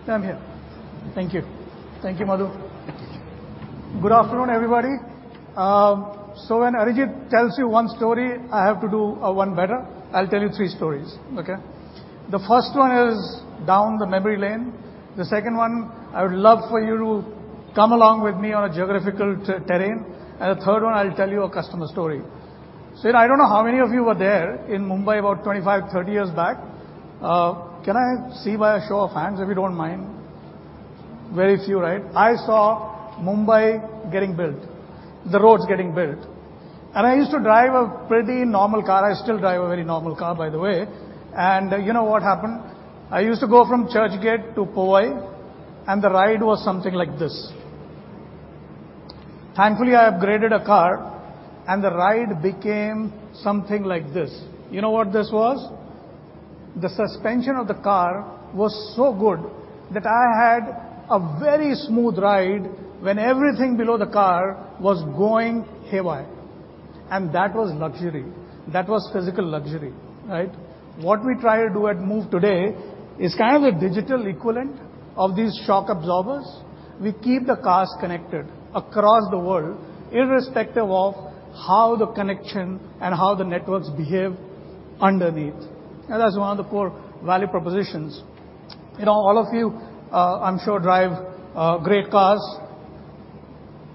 I'm here. Thank you. Thank you, Madhu. Good afternoon, everybody. When Arijit tells you one story, I have to do one better. I'll tell you three stories. Okay? The first one is down the memory lane. The second one, I would love for you to come along with me on a geographical terrain. The third one, I'll tell you a customer story. I don't know how many of you were there in Mumbai, about 25, 30 years back. Can I see by a show of hands, if you don't mind? Very few, right? I saw Mumbai getting built, the roads getting built. I used to drive a pretty normal car. I still drive a very normal car, by the way. You know what happened? I used to go from Churchgate to Powai. The ride was something like this. Thankfully, I upgraded a car. The ride became something like this. You know what this was? The suspension of the car was so good that I had a very smooth ride when everything below the car was going haywire, and that was luxury. That was physical luxury, right? What we try to do at MOVE today is kind of a digital equivalent of these shock absorbers. We keep the cars connected across the world, irrespective of how the connection and how the networks behave underneath. That's one of the core value propositions. You know, all of you, I'm sure, drive great cars.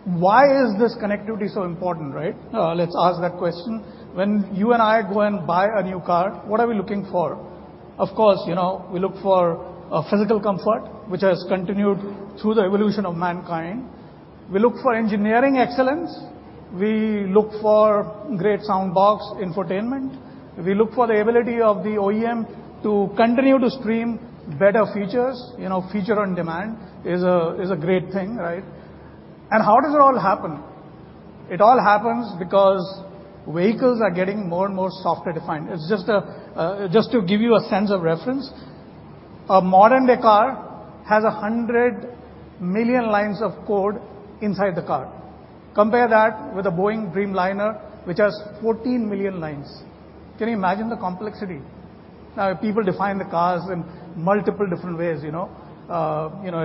Why is this connectivity so important, right? Let's ask that question. When you and I go and buy a new car, what are we looking for? Of course, you know, we look for physical comfort, which has continued through the evolution of mankind. We look for engineering excellence. We look for great sound box, infotainment. We look for the ability of the OEM to continue to stream better features. You know, feature on demand is a great thing, right? How does it all happen? It all happens because vehicles are getting more and more software-defined. Just to give you a sense of reference, a modern-day car has 100 million lines of code inside the car. Compare that with a Boeing Dreamliner, which has 14 million lines. Can you imagine the complexity? People define the cars in multiple different ways, you know. You know,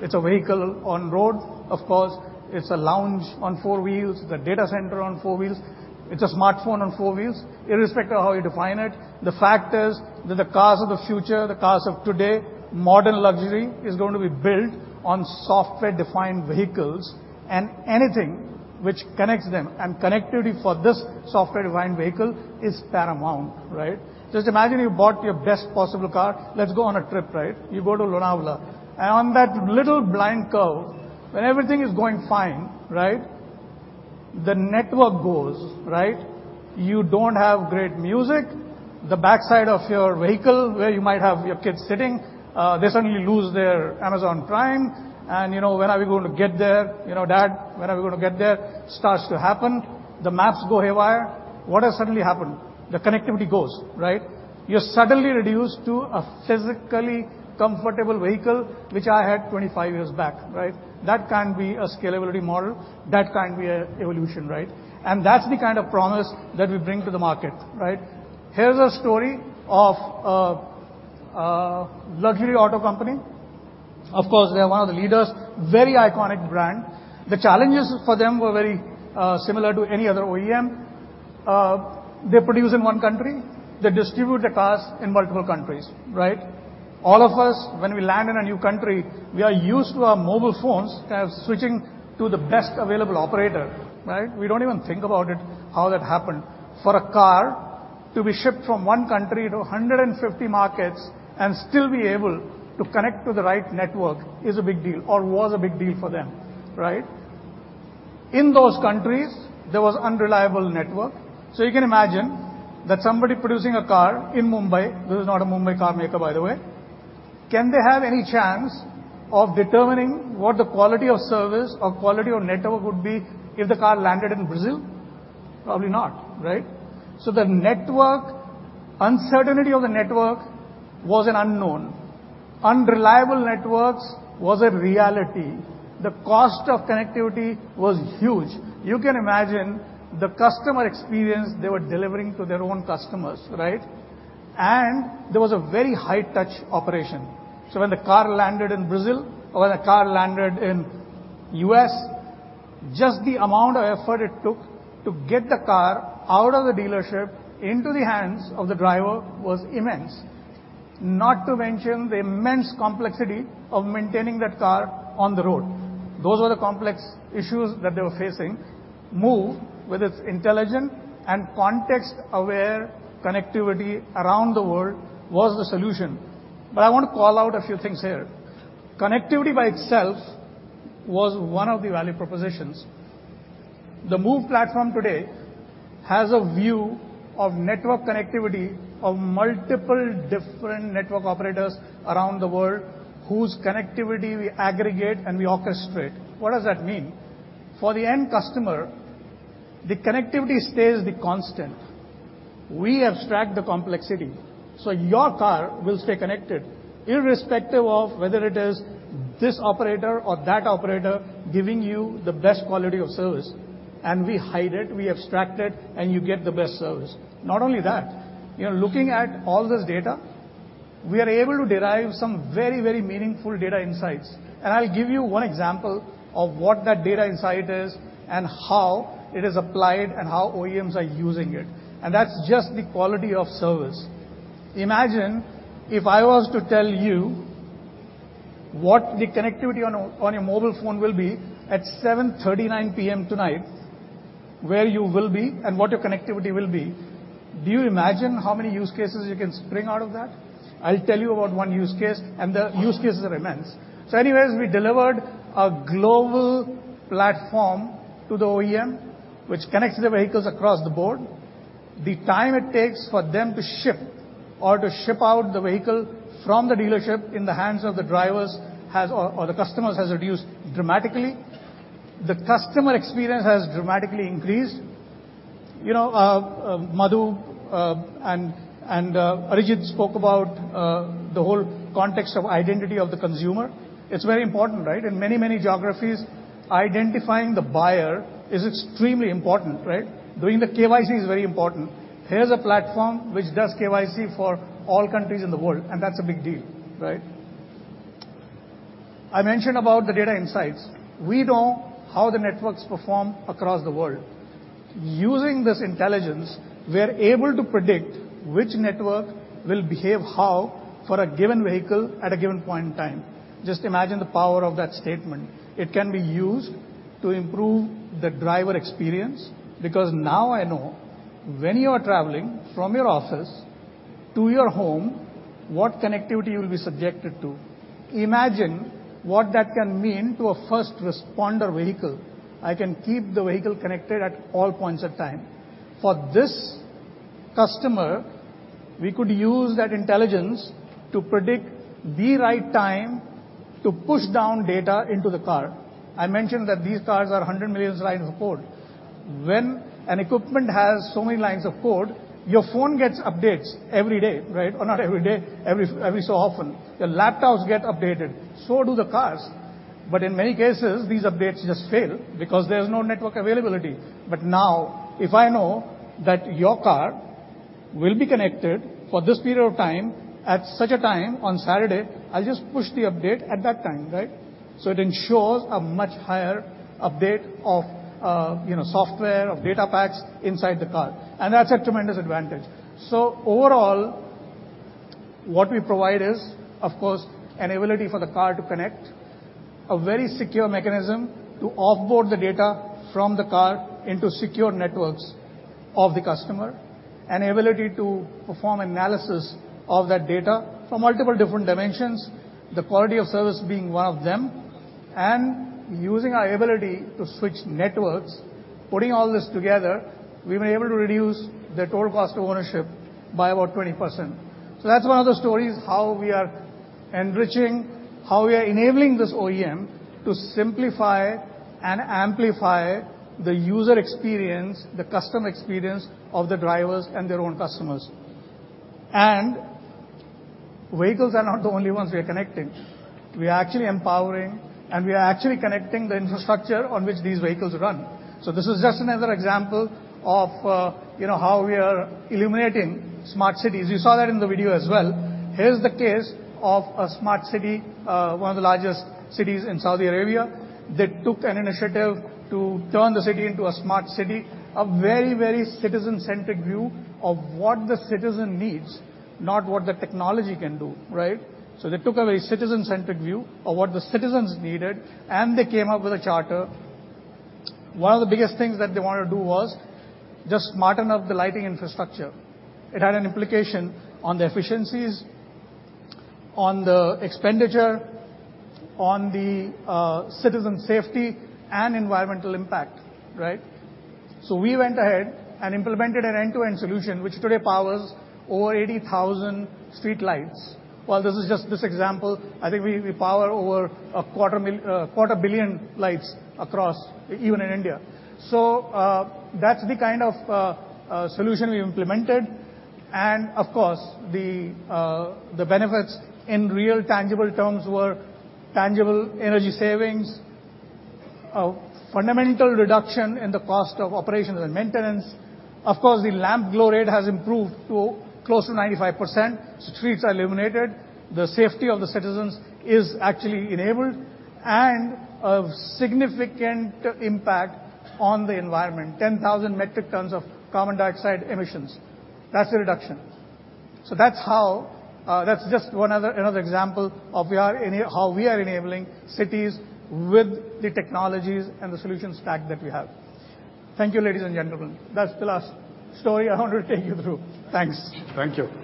it's a vehicle on road, of course, it's a lounge on four wheels, it's a data center on four wheels, it's a smartphone on four wheels. Irrespective of how you define it, the fact is that the cars of the future, the cars of today, modern luxury, is going to be built on software-defined vehicles and anything which connects them. Connectivity for this software-defined vehicle is paramount, right? Just imagine you bought your best possible car. Let's go on a trip, right? You go to Lonavala, on that little blind curve, when everything is going fine, right, the network goes, right? You don't have great music. The backside of your vehicle, where you might have your kids sitting, they suddenly lose their Amazon Prime and, you know, When are we going to get there? You know, Dad, when are we going to get there? starts to happen. The maps go haywire. What has suddenly happened? The connectivity goes, right? You're suddenly reduced to a physically comfortable vehicle, which I had 25 years back, right? That can't be a scalability model. That can't be a evolution, right? That's the kind of promise that we bring to the market, right? Here's a story of a luxury auto company. Of course, they are one of the leaders, very iconic brand. The challenges for them were very similar to any other OEM. They produce in one country, they distribute the cars in multiple countries, right? All of us, when we land in a new country, we are used to our mobile phones as switching to the best available operator, right? We don't even think about it, how that happened. For a car to be shipped from one country to 150 markets and still be able to connect to the right network is a big deal or was a big deal for them, right? In those countries, there was unreliable network. You can imagine that somebody producing a car in Mumbai, this is not a Mumbai car maker, by the way, can they have any chance of determining what the quality of service or quality of network would be if the car landed in Brazil? Probably not, right? The network, uncertainty of the network was an unknown. Unreliable networks was a reality. The cost of connectivity was huge. You can imagine the customer experience they were delivering to their own customers, right? There was a very high touch operation. When the car landed in Brazil or when a car landed in U.S., just the amount of effort it took to get the car out of the dealership into the hands of the driver was immense, not to mention the immense complexity of maintaining that car on the road. Those were the complex issues that they were facing. MOVE, with its intelligent and context-aware connectivity around the world, was the solution. I want to call out a few things here. Connectivity by itself was one of the value propositions. The MOVE platform today has a view of network connectivity of multiple different network operators around the world, whose connectivity we aggregate and we orchestrate. What does that mean? For the end customer, the connectivity stays the constant. Your car will stay connected, irrespective of whether it is this operator or that operator giving you the best quality of service. We hide it, we abstract it, and you get the best service. Not only that, you know, looking at all this data, we are able to derive some very, very meaningful data insights. I'll give you one example of what that data insight is and how it is applied and how OEMs are using it, and that's just the quality of service. Imagine if I was to tell you what the connectivity on your mobile phone will be at 7:39 P.M. tonight, where you will be, and what your connectivity will be. Do you imagine how many use cases you can spring out of that? I'll tell you about one use case. The use cases are immense. Anyways, we delivered a global platform to the OEM, which connects the vehicles across the board. The time it takes for them to ship or to ship out the vehicle from the dealership in the hands of the drivers has, or the customers, has reduced dramatically. The customer experience has dramatically increased. You know, Madhu and Arijit spoke about the whole context of identity of the consumer. It's very important, right? In many geographies, identifying the buyer is extremely important, right? Doing the KYC is very important. Here's a platform which does KYC for all countries in the world, and that's a big deal, right? I mentioned about the data insights. We know how the networks perform across the world. Using this intelligence, we are able to predict which network will behave how for a given vehicle at a given point in time. Just imagine the power of that statement. It can be used to improve the driver experience, because now I know when you are traveling from your office to your home, what connectivity you will be subjected to. Imagine what that can mean to a first responder vehicle. I can keep the vehicle connected at all points of time. For this customer, we could use that intelligence to predict the right time to push down data into the car. I mentioned that these cars are 100 million lines of code. When an equipment has so many lines of code, your phone gets updates every day, right? Not every day, every so often. The laptops get updated, so do the cars. In many cases, these updates just fail because there's no network availability. Now, if I know that your car will be connected for this period of time, at such a time on Saturday, I'll just push the update at that time, right? It ensures a much higher update of, you know, software or data packs inside the car, and that's a tremendous advantage. Overall, what we provide is, of course, an ability for the car to connect, a very secure mechanism to offboard the data from the car into secure networks of the customer, an ability to perform analysis of that data from multiple different dimensions, the quality of service being one of them, and using our ability to switch networks. Putting all this together, we were able to reduce the total cost of ownership by about 20%. That's one of the stories, how we are enriching, how we are enabling this OEM to simplify and amplify the user experience, the customer experience of the drivers and their own customers. Vehicles are not the only ones we are connecting. We are actually empowering, and we are actually connecting the infrastructure on which these vehicles run. This is just another example of, you know, how we are illuminating smart cities. You saw that in the video as well. Here's the case of a smart city, one of the largest cities in Saudi Arabia. They took an initiative to turn the city into a smart city, a very, very citizen-centric view of what the citizen needs, not what the technology can do, right? They took a very citizen-centric view of what the citizens needed, and they came up with a charter. One of the biggest things that they wanted to do was just smarten up the lighting infrastructure. It had an implication on the efficiencies, on the expenditure, on the citizen safety, and environmental impact, right? We went ahead and implemented an end-to-end solution, which today powers over 80,000 streetlights. While this is just this example, I think we power over a quarter billion lights across, even in India. That's the kind of solution we implemented. Of course, the benefits in real tangible terms were tangible energy savings, a fundamental reduction in the cost of operations and maintenance. The lamp glow rate has improved to close to 95%, streets are illuminated, the safety of the citizens is actually enabled, and a significant impact on the environment, 10,000 metric tons of carbon dioxide emissions. That's the reduction. That's just another example of how we are enabling cities with the technologies and the solution stack that we have. Thank you, ladies and gentlemen. That's the last story I want to take you through. Thanks. Thank you.